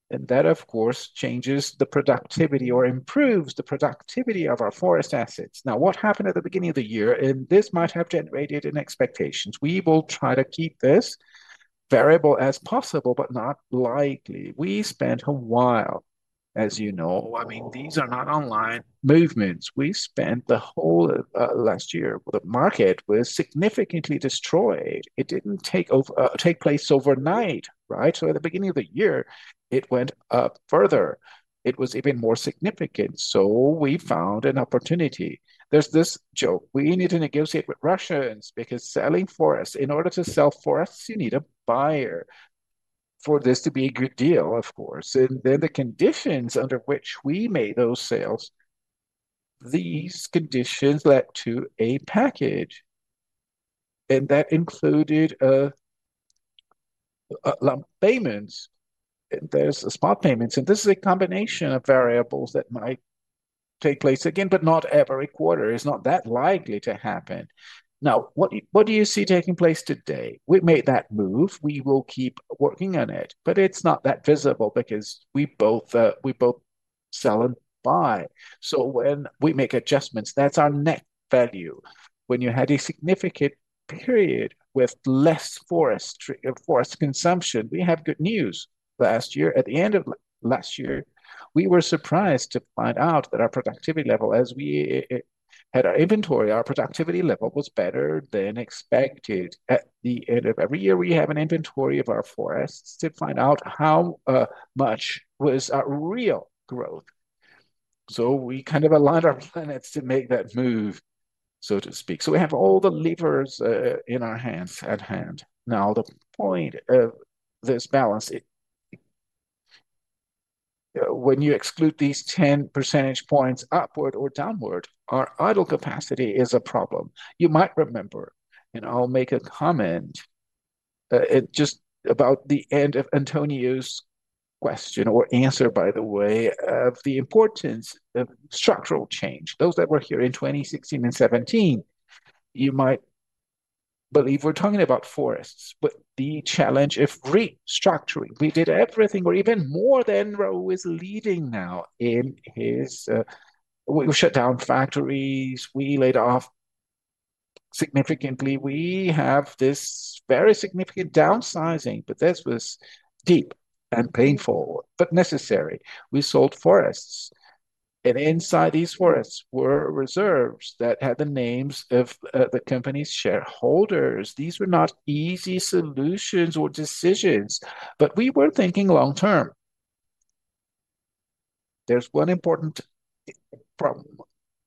And that, of course, changes the productivity or improves the productivity of our forest assets. Now, what happened at the beginning of the year, and this might have generated in expectations, we will try to keep this variable as possible, but not likely. We spent a while, as you know, I mean, these are not online movements. We spent the whole last year. The market was significantly destroyed. It didn't take place overnight, right? So at the beginning of the year, it went up further. It was even more significant, so we found an opportunity. There's this joke: We need to negotiate with Russians because selling forests, in order to sell forests, you need a buyer. For this to be a good deal, of course. Then the conditions under which we made those sales, these conditions led to a package, and that included lump payments. There's a spot payments, and this is a combination of variables that might take place again, but not every quarter. It's not that likely to happen. Now, what do you see taking place today? We made that move. We will keep working on it, but it's not that visible because we both sell and buy. So when we make adjustments, that's our net value. When you had a significant period with less forestry, forest consumption, we had good news. Last year, at the end of last year, we were surprised to find out that our productivity level, as we had our inventory, our productivity level was better than expected. At the end of every year, we have an inventory of our forests to find out how much was our real growth. So we kind of aligned our planets to make that move, so to speak. So we have all the levers in our hands, at hand. Now, the point of this balance, when you exclude these 10 percentage points upward or downward, our idle capacity is a problem. You might remember, and I'll make a comment at just about the end of Antonio's question or answer, by the way, of the importance of structural change. Those that were here in 2016 and 2017, you might believe we're talking about forests, but the challenge of restructuring, we did everything or even more than Raul is leading now in his, We, we shut down factories, we laid off significantly. We have this very significant downsizing, but this was deep and painful, but necessary. We sold forests, and inside these forests were reserves that had the names of the company's shareholders. These were not easy solutions or decisions, but we were thinking long term. There's one important problem,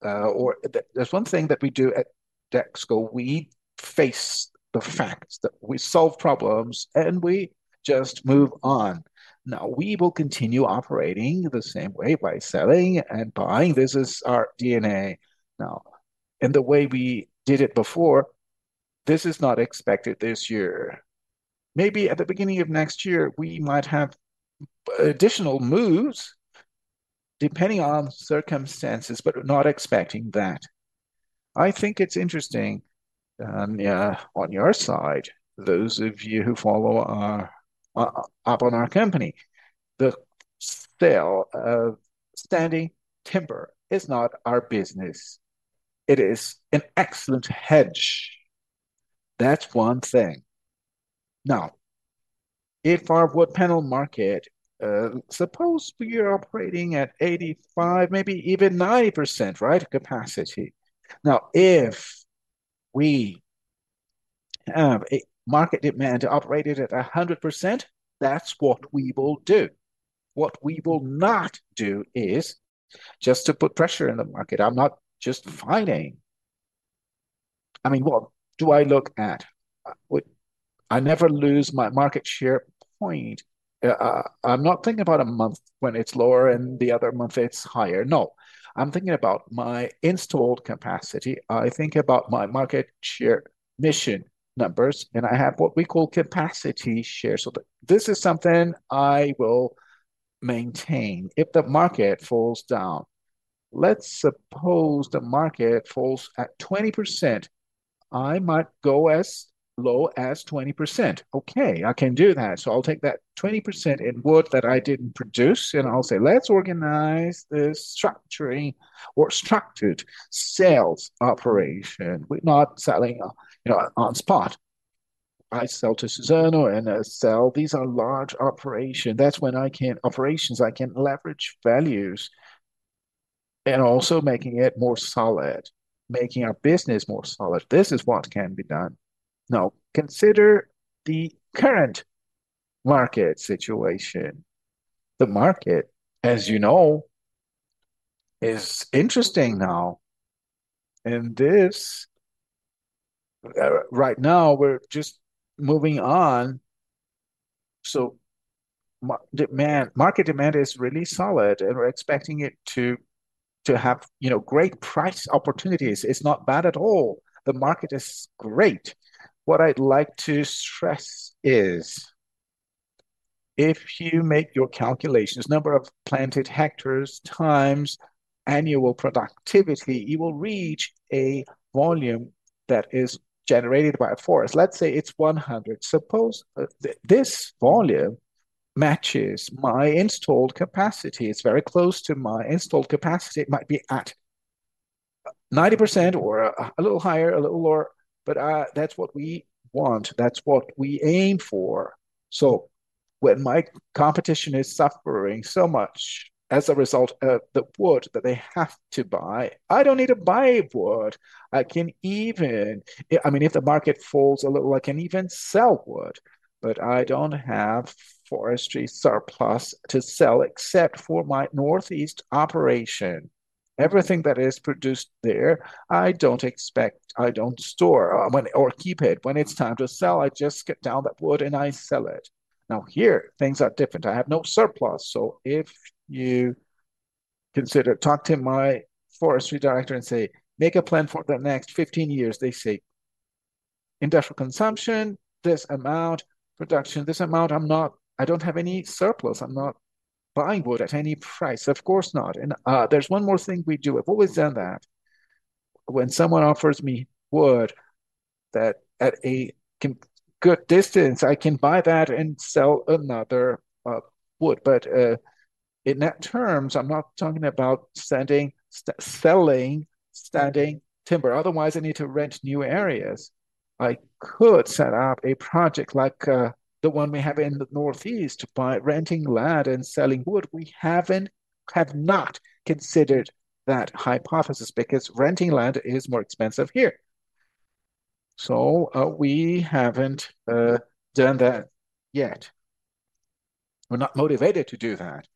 or there's one thing that we do at Dexco. We face the facts, that we solve problems, and we just move on. Now, we will continue operating the same way by selling and buying. This is our DNA. Now, and the way we did it before, this is not expected this year. Maybe at the beginning of next year, we might have additional moves, depending on circumstances, but we're not expecting that. I think it's interesting, yeah, on your side, those of you who follow our, up on our company, the still, standing timber is not our business. It is an excellent hedge. That's one thing. Now, if our wood panel market, suppose we are operating at 85, maybe even 90%, right, capacity. Now, if we have a market demand operated at 100%, that's what we will do. What we will not do is just to put pressure in the market. I'm not just finding-- I mean, what do I look at? Well, I never lose my market share point. I'm not thinking about a month when it's lower and the other month it's higher. No, I'm thinking about my installed capacity. I think about my market share mission numbers, and I have what we call capacity share. So this is something I will maintain. If the market falls down, let's suppose the market falls at 20%, I might go as low as 20%. Okay, I can do that. So I'll take that 20% in wood that I didn't produce, and I'll say, "Let's organize this structuring or structured sales operation." We're not selling, you know, on spot. I sell to Suzano and I sell. These are large operation. That's when I can operations, I can leverage values, and also making it more solid, making our business more solid. This is what can be done. Now, consider the current market situation. The market, as you know, is interesting now, and this, right now, we're just moving on. So market demand is really solid, and we're expecting it to have, you know, great price opportunities. It's not bad at all. The market is great. What I'd like to stress is, if you make your calculations, number of planted hectares times annual productivity, you will reach a volume that is generated by a forest. Let's say it's 100. Suppose, this volume matches my installed capacity. It's very close to my installed capacity. It might be at 90% or a little higher, a little lower, but, that's what we want. That's what we aim for. So when my competition is suffering so much as a result of the wood that they have to buy, I don't need to buy wood. I can even... I mean, if the market falls a little, I can even sell wood, but I don't have forestry surplus to sell, except for my northeast operation. Everything that is produced there, I don't expect-- I don't store, when, or keep it. When it's time to sell, I just get down that wood, and I sell it. Now, here, things are different. I have no surplus. So if you consider talk to my forestry director and say, "Make a plan for the next 15 years," they say, "Industrial consumption, this amount; production, this amount." I don't have any surplus. I'm not buying wood at any price. Of course not. And, there's one more thing we do. I've always done that. When someone offers me wood, that at a good distance, I can buy that and sell another wood. But, in net terms, I'm not talking about sending, selling, standing timber. Otherwise, I need to rent new areas. I could set up a project like the one we have in the northeast by renting land and selling wood. We haven't, have not considered that hypothesis because renting land is more expensive here. So, we haven't done that yet. We're not motivated to do that.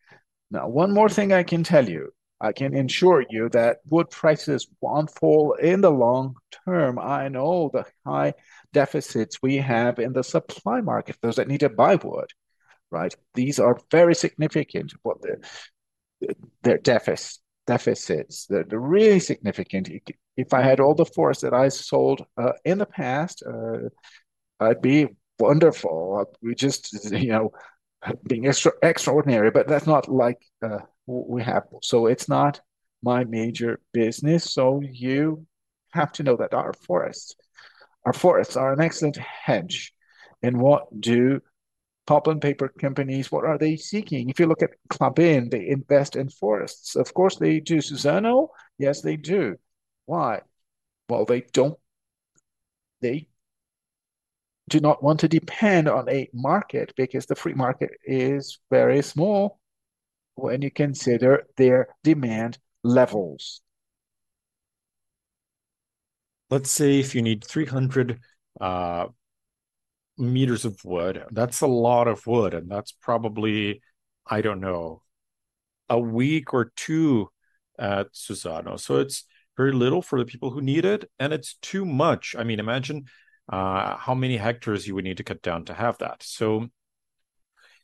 Now, one more thing I can tell you, I can assure you that wood prices won't fall in the long term. I know the high deficits we have in the supply market, those that need to buy wood, right? These are very significant. What their deficits are, they're really significant. If I had all the forests that I sold in the past, I'd be wonderful. We just, you know, being extraordinary, but that's not like we have. So it's not my major business, so you have to know that our forests, our forests are an excellent hedge. And what do pulp and paper companies, what are they seeking? If you look at Klabin, they invest in forests. Of course, they do. Suzano? Yes, they do. Why? Well, they don't... They do not want to depend on a market because the free market is very small when you consider their demand levels. Let's say if you need 300 meters of wood, that's a lot of wood, and that's probably, I don't know, a week or two at Suzano. So it's very little for the people who need it, and it's too much. I mean, imagine how many hectares you would need to cut down to have that. So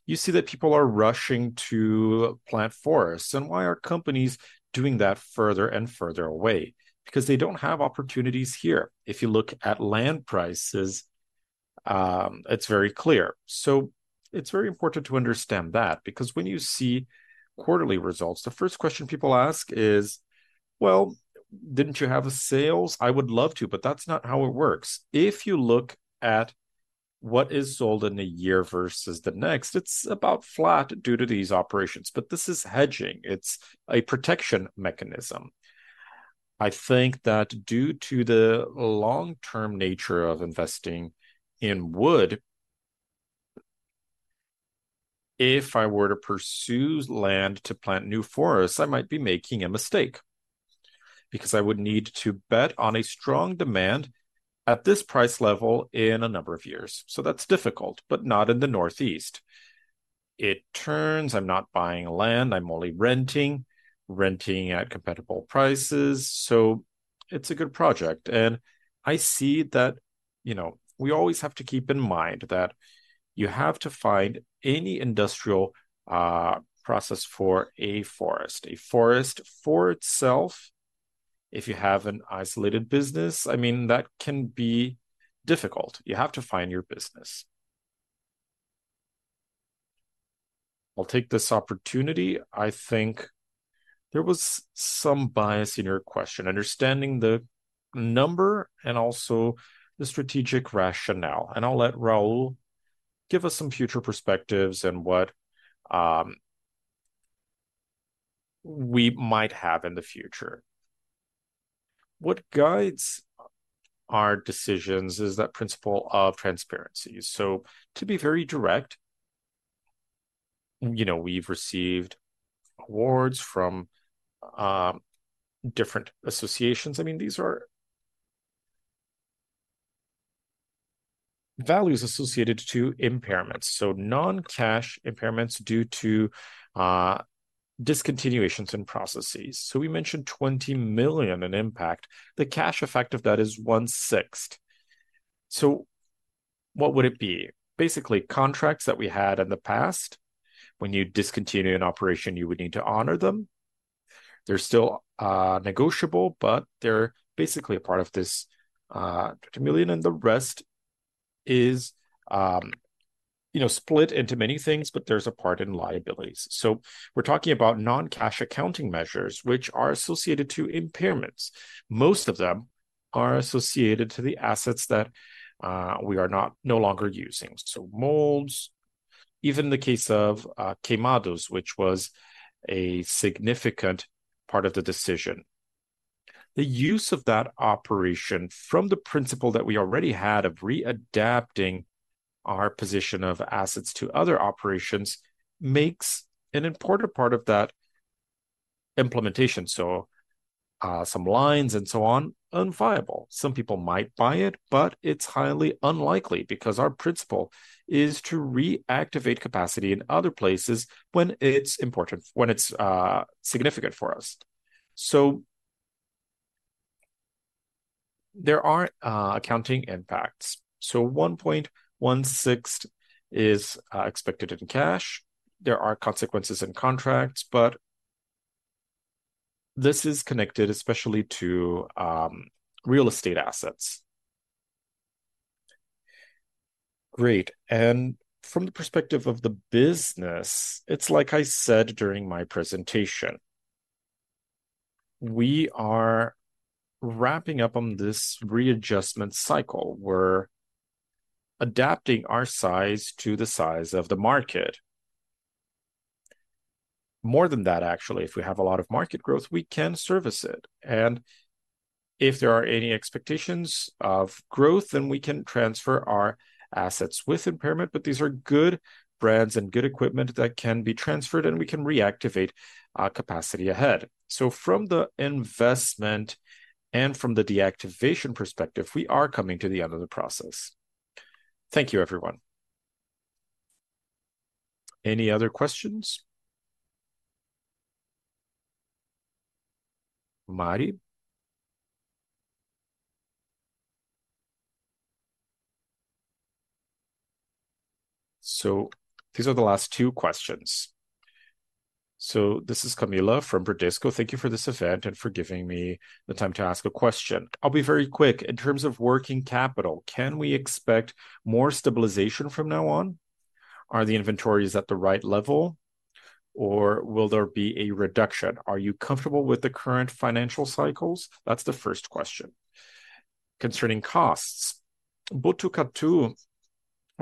you see that people are rushing to plant forests, and why are companies doing that further and further away? Because they don't have opportunities here. If you look at land prices, it's very clear. So it's very important to understand that, because when you see quarterly results, the first question people ask is, "Well, didn't you have a sales?" I would love to, but that's not how it works. If you look at what is sold in a year versus the next, it's about flat due to these operations. But this is hedging. It's a protection mechanism. I think that due to the long-term nature of investing in wood, if I were to pursue land to plant new forests, I might be making a mistake, because I would need to bet on a strong demand at this price level in a number of years. So that's difficult, but not in the northeast. It turns, I'm not buying land, I'm only renting, renting at competitive prices, so it's a good project. And I see that, you know, we always have to keep in mind that you have to find any industrial process for a forest. A forest for itself, if you have an isolated business, I mean, that can be difficult. You have to find your business. I'll take this opportunity. I think there was some bias in your question. Understanding the number and also the strategic rationale, and I'll let Raul give us some future perspectives and what we might have in the future. What guides our decisions is that principle of transparency. So to be very direct, you know, we've received awards from different associations. I mean, these are values associated to impairments, so non-cash impairments due to discontinuations and processes. So we mentioned 20 million in impact. The cash effect of that is 1/6. So what would it be? Basically, contracts that we had in the past. When you discontinue an operation, you would need to honor them. They're still negotiable, but they're basically a part of this 20 million, and the rest is, you know, split into many things, but there's a part in liabilities. So we're talking about non-cash accounting measures, which are associated to impairments. Most of them are associated to the assets that we are no longer using. So molds, even the case of Queimados, which was a significant part of the decision. The use of that operation from the principle that we already had of readapting our position of assets to other operations makes an important part of that implementation. So some lines and so on, unviable. Some people might buy it, but it's highly unlikely, because our principle is to reactivate capacity in other places when it's important, when it's significant for us. So there are accounting impacts. So 1.16 is expected in cash. There are consequences in contracts, but this is connected especially to real estate assets. Great, and from the perspective of the business, it's like I said during my presentation, we are wrapping up on this readjustment cycle. We're adapting our size to the size of the market. More than that, actually, if we have a lot of market growth, we can service it, and if there are any expectations of growth, then we can transfer our assets with impairment. But these are good brands and good equipment that can be transferred, and we can reactivate our capacity ahead. So from the investment and from the deactivation perspective, we are coming to the end of the process. Thank you, everyone. Any other questions? Mari? So these are the last two questions. So this is Camila from Bradesco. Thank you for this event and for giving me the time to ask a question. I'll be very quick. In terms of working capital, can we expect more stabilization from now on? Are the inventories at the right level, or will there be a reduction? Are you comfortable with the current financial cycles? That's the first question. Concerning costs, Botucatu... Well,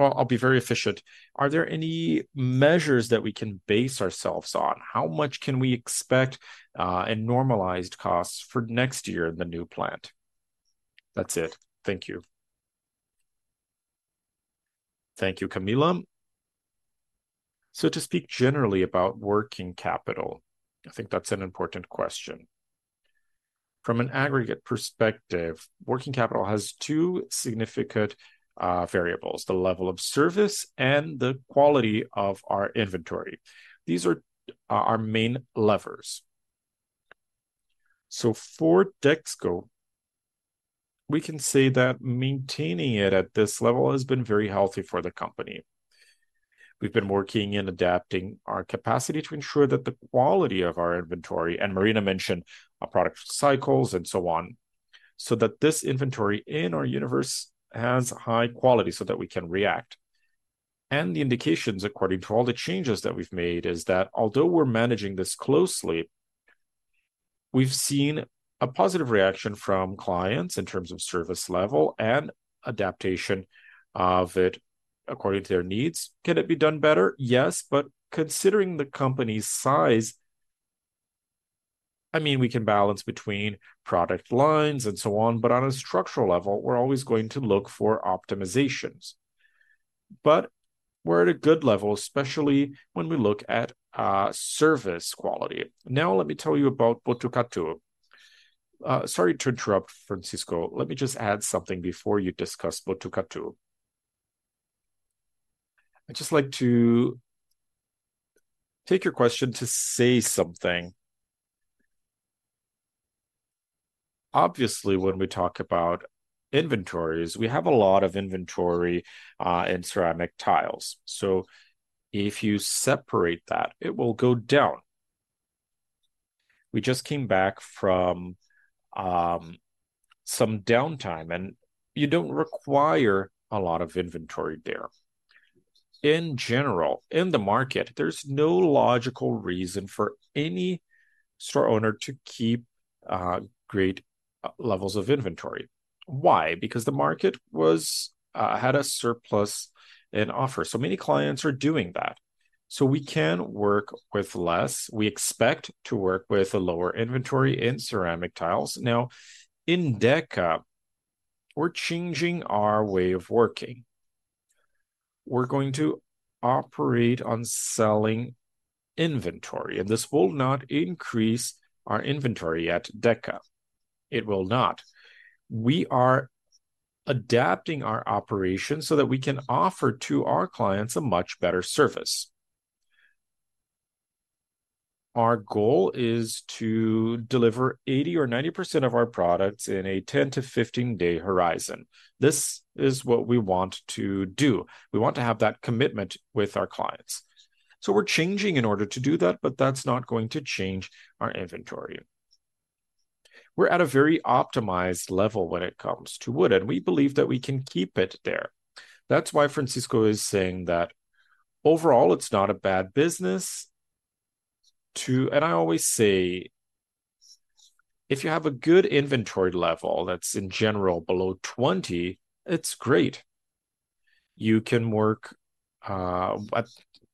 I'll be very efficient. Are there any measures that we can base ourselves on? How much can we expect in normalized costs for next year in the new plant? That's it. Thank you." Thank you, Camila. So to speak generally about working capital, I think that's an important question. From an aggregate perspective, working capital has two significant variables: the level of service and the quality of our inventory. These are our, our main levers. So for Dexco, we can say that maintaining it at this level has been very healthy for the company. We've been working in adapting our capacity to ensure that the quality of our inventory, and Marina mentioned our product cycles and so on, so that this inventory in our universe has high quality so that we can react. The indications, according to all the changes that we've made, is that although we're managing this closely, we've seen a positive reaction from clients in terms of service level and adaptation of it according to their needs. Can it be done better? Yes, but considering the company's size, I mean, we can balance between product lines and so on, but on a structural level, we're always going to look for optimizations. We're at a good level, especially when we look at service quality. Now, let me tell you about Botucatu. Sorry to interrupt, Francisco. Let me just add something before you discuss Botucatu. I'd just like to take your question to say something. Obviously, when we talk about inventories, we have a lot of inventory in ceramic tiles. So if you separate that, it will go down. We just came back from some downtime, and you don't require a lot of inventory there. In general, in the market, there's no logical reason for any store owner to keep great levels of inventory. Why? Because the market had a surplus in offer, so many clients are doing that. So we can work with less. We expect to work with a lower inventory in ceramic tiles. Now, in Deca, we're changing our way of working. We're going to operate on selling inventory, and this will not increase our inventory at Deca. It will not. We are adapting our operations so that we can offer to our clients a much better service. Our goal is to deliver 80% or 90% of our products in a 10 to 15-day horizon. This is what we want to do. We want to have that commitment with our clients. So we're changing in order to do that, but that's not going to change our inventory. We're at a very optimized level when it comes to wood, and we believe that we can keep it there. That's why Francisco is saying that overall, it's not a bad business to... I always say, if you have a good inventory level, that's in general below 20, it's great. You can work at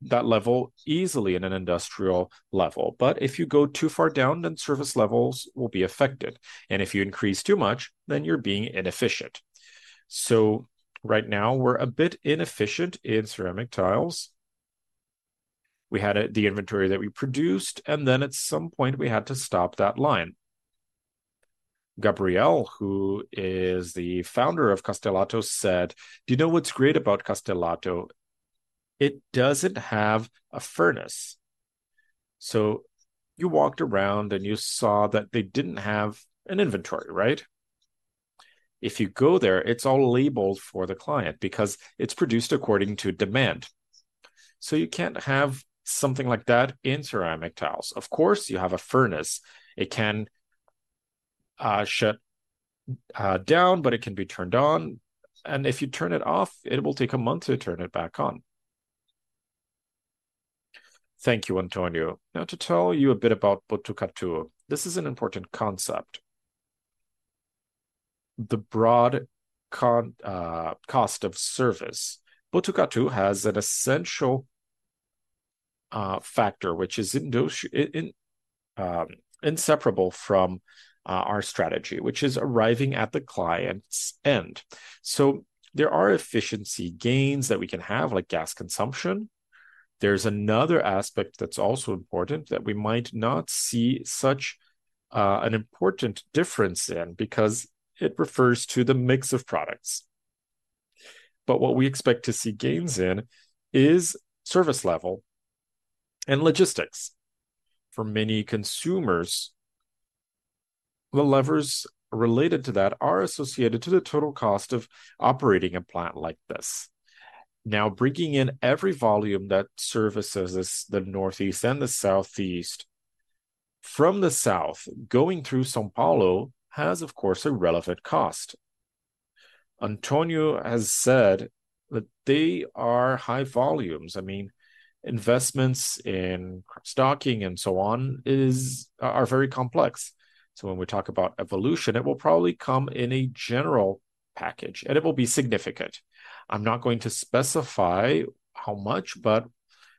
that level easily in an industrial level, but if you go too far down, then service levels will be affected, and if you increase too much, then you're being inefficient. So right now, we're a bit inefficient in ceramic tiles. We had the inventory that we produced, and then at some point, we had to stop that line. Gabriel, who is the founder of Castelatto, said, "Do you know what's great about Castelatto? It doesn't have a furnace." So you walked around, and you saw that they didn't have an inventory, right? If you go there, it's all labeled for the client because it's produced according to demand. So you can't have something like that in ceramic tiles. Of course, you have a furnace. It can shut down, but it can be turned on, and if you turn it off, it will take a month to turn it back on. Thank you, Antonio. Now, to tell you a bit about Botucatu, this is an important concept. The broad cost of service. Botucatu has an essential factor, which is inseparable from our strategy, which is arriving at the client's end. So there are efficiency gains that we can have, like gas consumption. There's another aspect that's also important that we might not see such an important difference in, because it refers to the mix of products. But what we expect to see gains in is service level and logistics. For many consumers, the levers related to that are associated to the total cost of operating a plant like this. Now, bringing in every volume that services this, the northeast and the southeast, from the south, going through São Paulo, has, of course, a relevant cost. Antonio has said that they are high volumes. I mean, investments in stocking and so on is, are very complex. So when we talk about evolution, it will probably come in a general package, and it will be significant. I'm not going to specify how much, but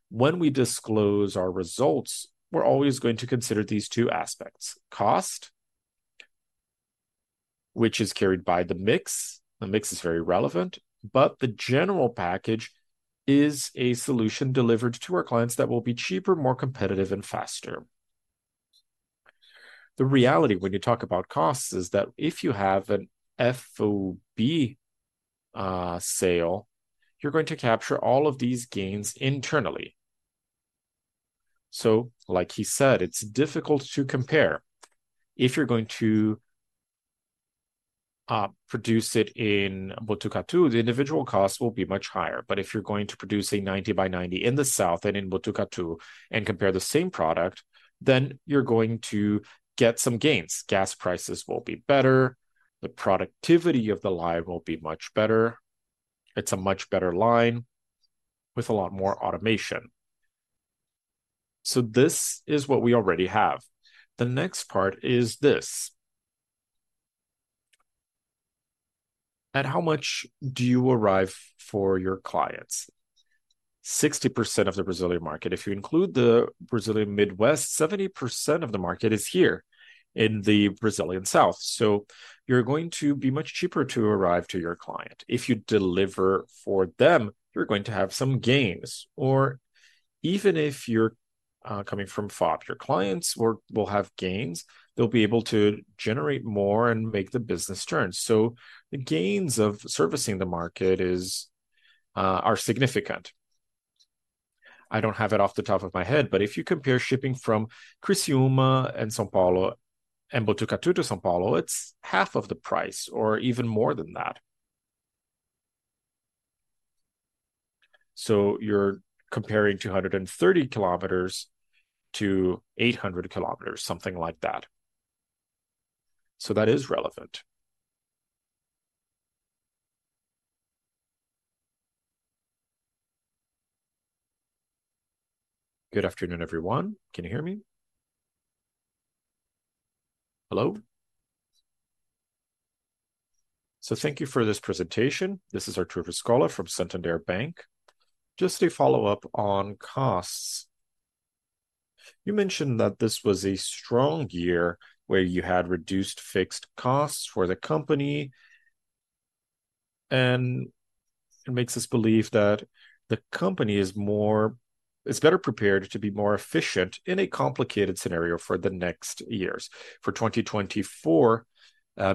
when we disclose our results, we're always going to consider these two aspects: cost, which is carried by the mix, the mix is very relevant, but the general package is a solution delivered to our clients that will be cheaper, more competitive and faster. The reality when you talk about costs is that if you have an FOB sale, you're going to capture all of these gains internally. So like he said, it's difficult to compare. If you're going to produce it in Botucatu, the individual cost will be much higher. But if you're going to produce a 90 by 90 in the south and in Botucatu and compare the same product, then you're going to get some gains. Gas prices will be better, the productivity of the line will be much better. It's a much better line with a lot more automation. So this is what we already have. The next part is this: At how much do you arrive for your clients? 60% of the Brazilian market, if you include the Brazilian Midwest, 70% of the market is here in the Brazilian South. So you're going to be much cheaper to arrive to your client. If you deliver for them, you're going to have some gains, or even if you're coming from FOB, your clients will have gains. They'll be able to generate more and make the business turn. So the gains of servicing the market is, are significant. I don't have it off the top of my head, but if you compare shipping from Criciúma and São Paulo, and Botucatu to São Paulo, it's half of the price or even more than that. So you're comparing 230 kilometers to 800 kilometers, something like that. So that is relevant. Good afternoon, everyone. Can you hear me? Hello? So thank you for this presentation. This is Arthur Biscuola from Santander Bank. Just a follow-up on costs. You mentioned that this was a strong year, where you had reduced fixed costs for the company, and it makes us believe that the company is more- is better prepared to be more efficient in a complicated scenario for the next years, for 2024,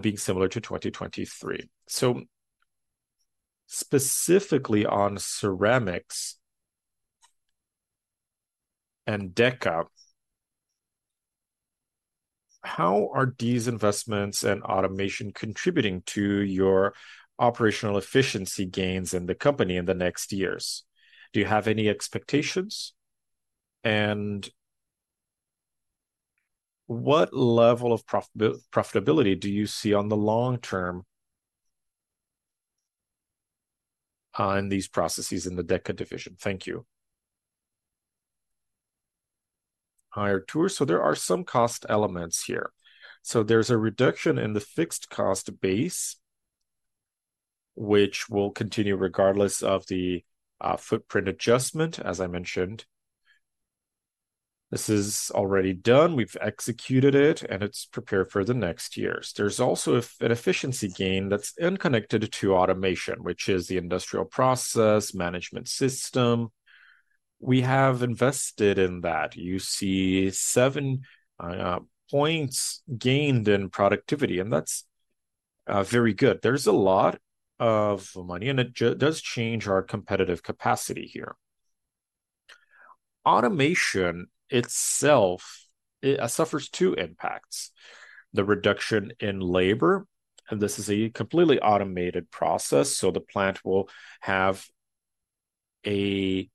being similar to 2023. So specifically on ceramics and Deca, how are these investments and automation contributing to your operational efficiency gains in the company in the next years? Do you have any expectations, and what level of profitabi- profitability do you see on the long term on these processes in the Deca division? Thank you. Hi, Arthur. So there are some cost elements here. So there's a reduction in the fixed cost base, which will continue regardless of the footprint adjustment, as I mentioned. This is already done. We've executed it, and it's prepared for the next years. There's also an efficiency gain that's connected to automation, which is the industrial process management system. We have invested in that. You see seven points gained in productivity, and that's very good. There's a lot of money, and it does change our competitive capacity here. Automation itself suffers two impacts: the reduction in labor, and this is a completely automated process, so the plant will have a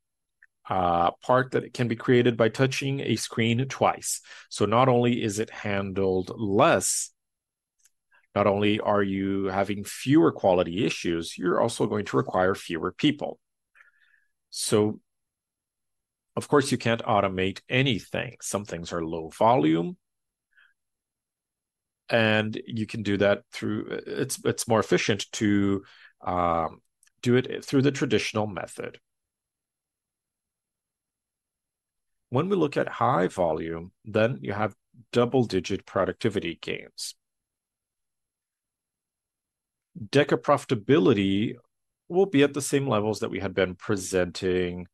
part that can be created by touching a screen twice. So not only is it handled less, not only are you having fewer quality issues, you're also going to require fewer people. So of course, you can't automate anything. Some things are low volume, and you can do that through... It's more efficient to do it through the traditional method. When we look at high volume, then you have double-digit productivity gains. Deca profitability will be at the same levels that we had been presenting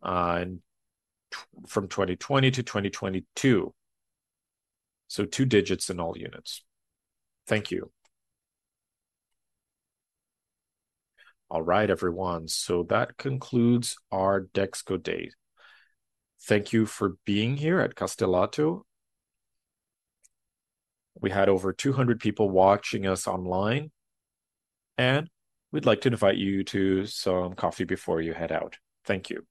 from 2020 to 2022, so two digits in all units. Thank you. All right, everyone, so that concludes our Dexco Day. Thank you for being here at Castelatto. We had over 200 people watching us online, and we'd like to invite you to some coffee before you head out. Thank you.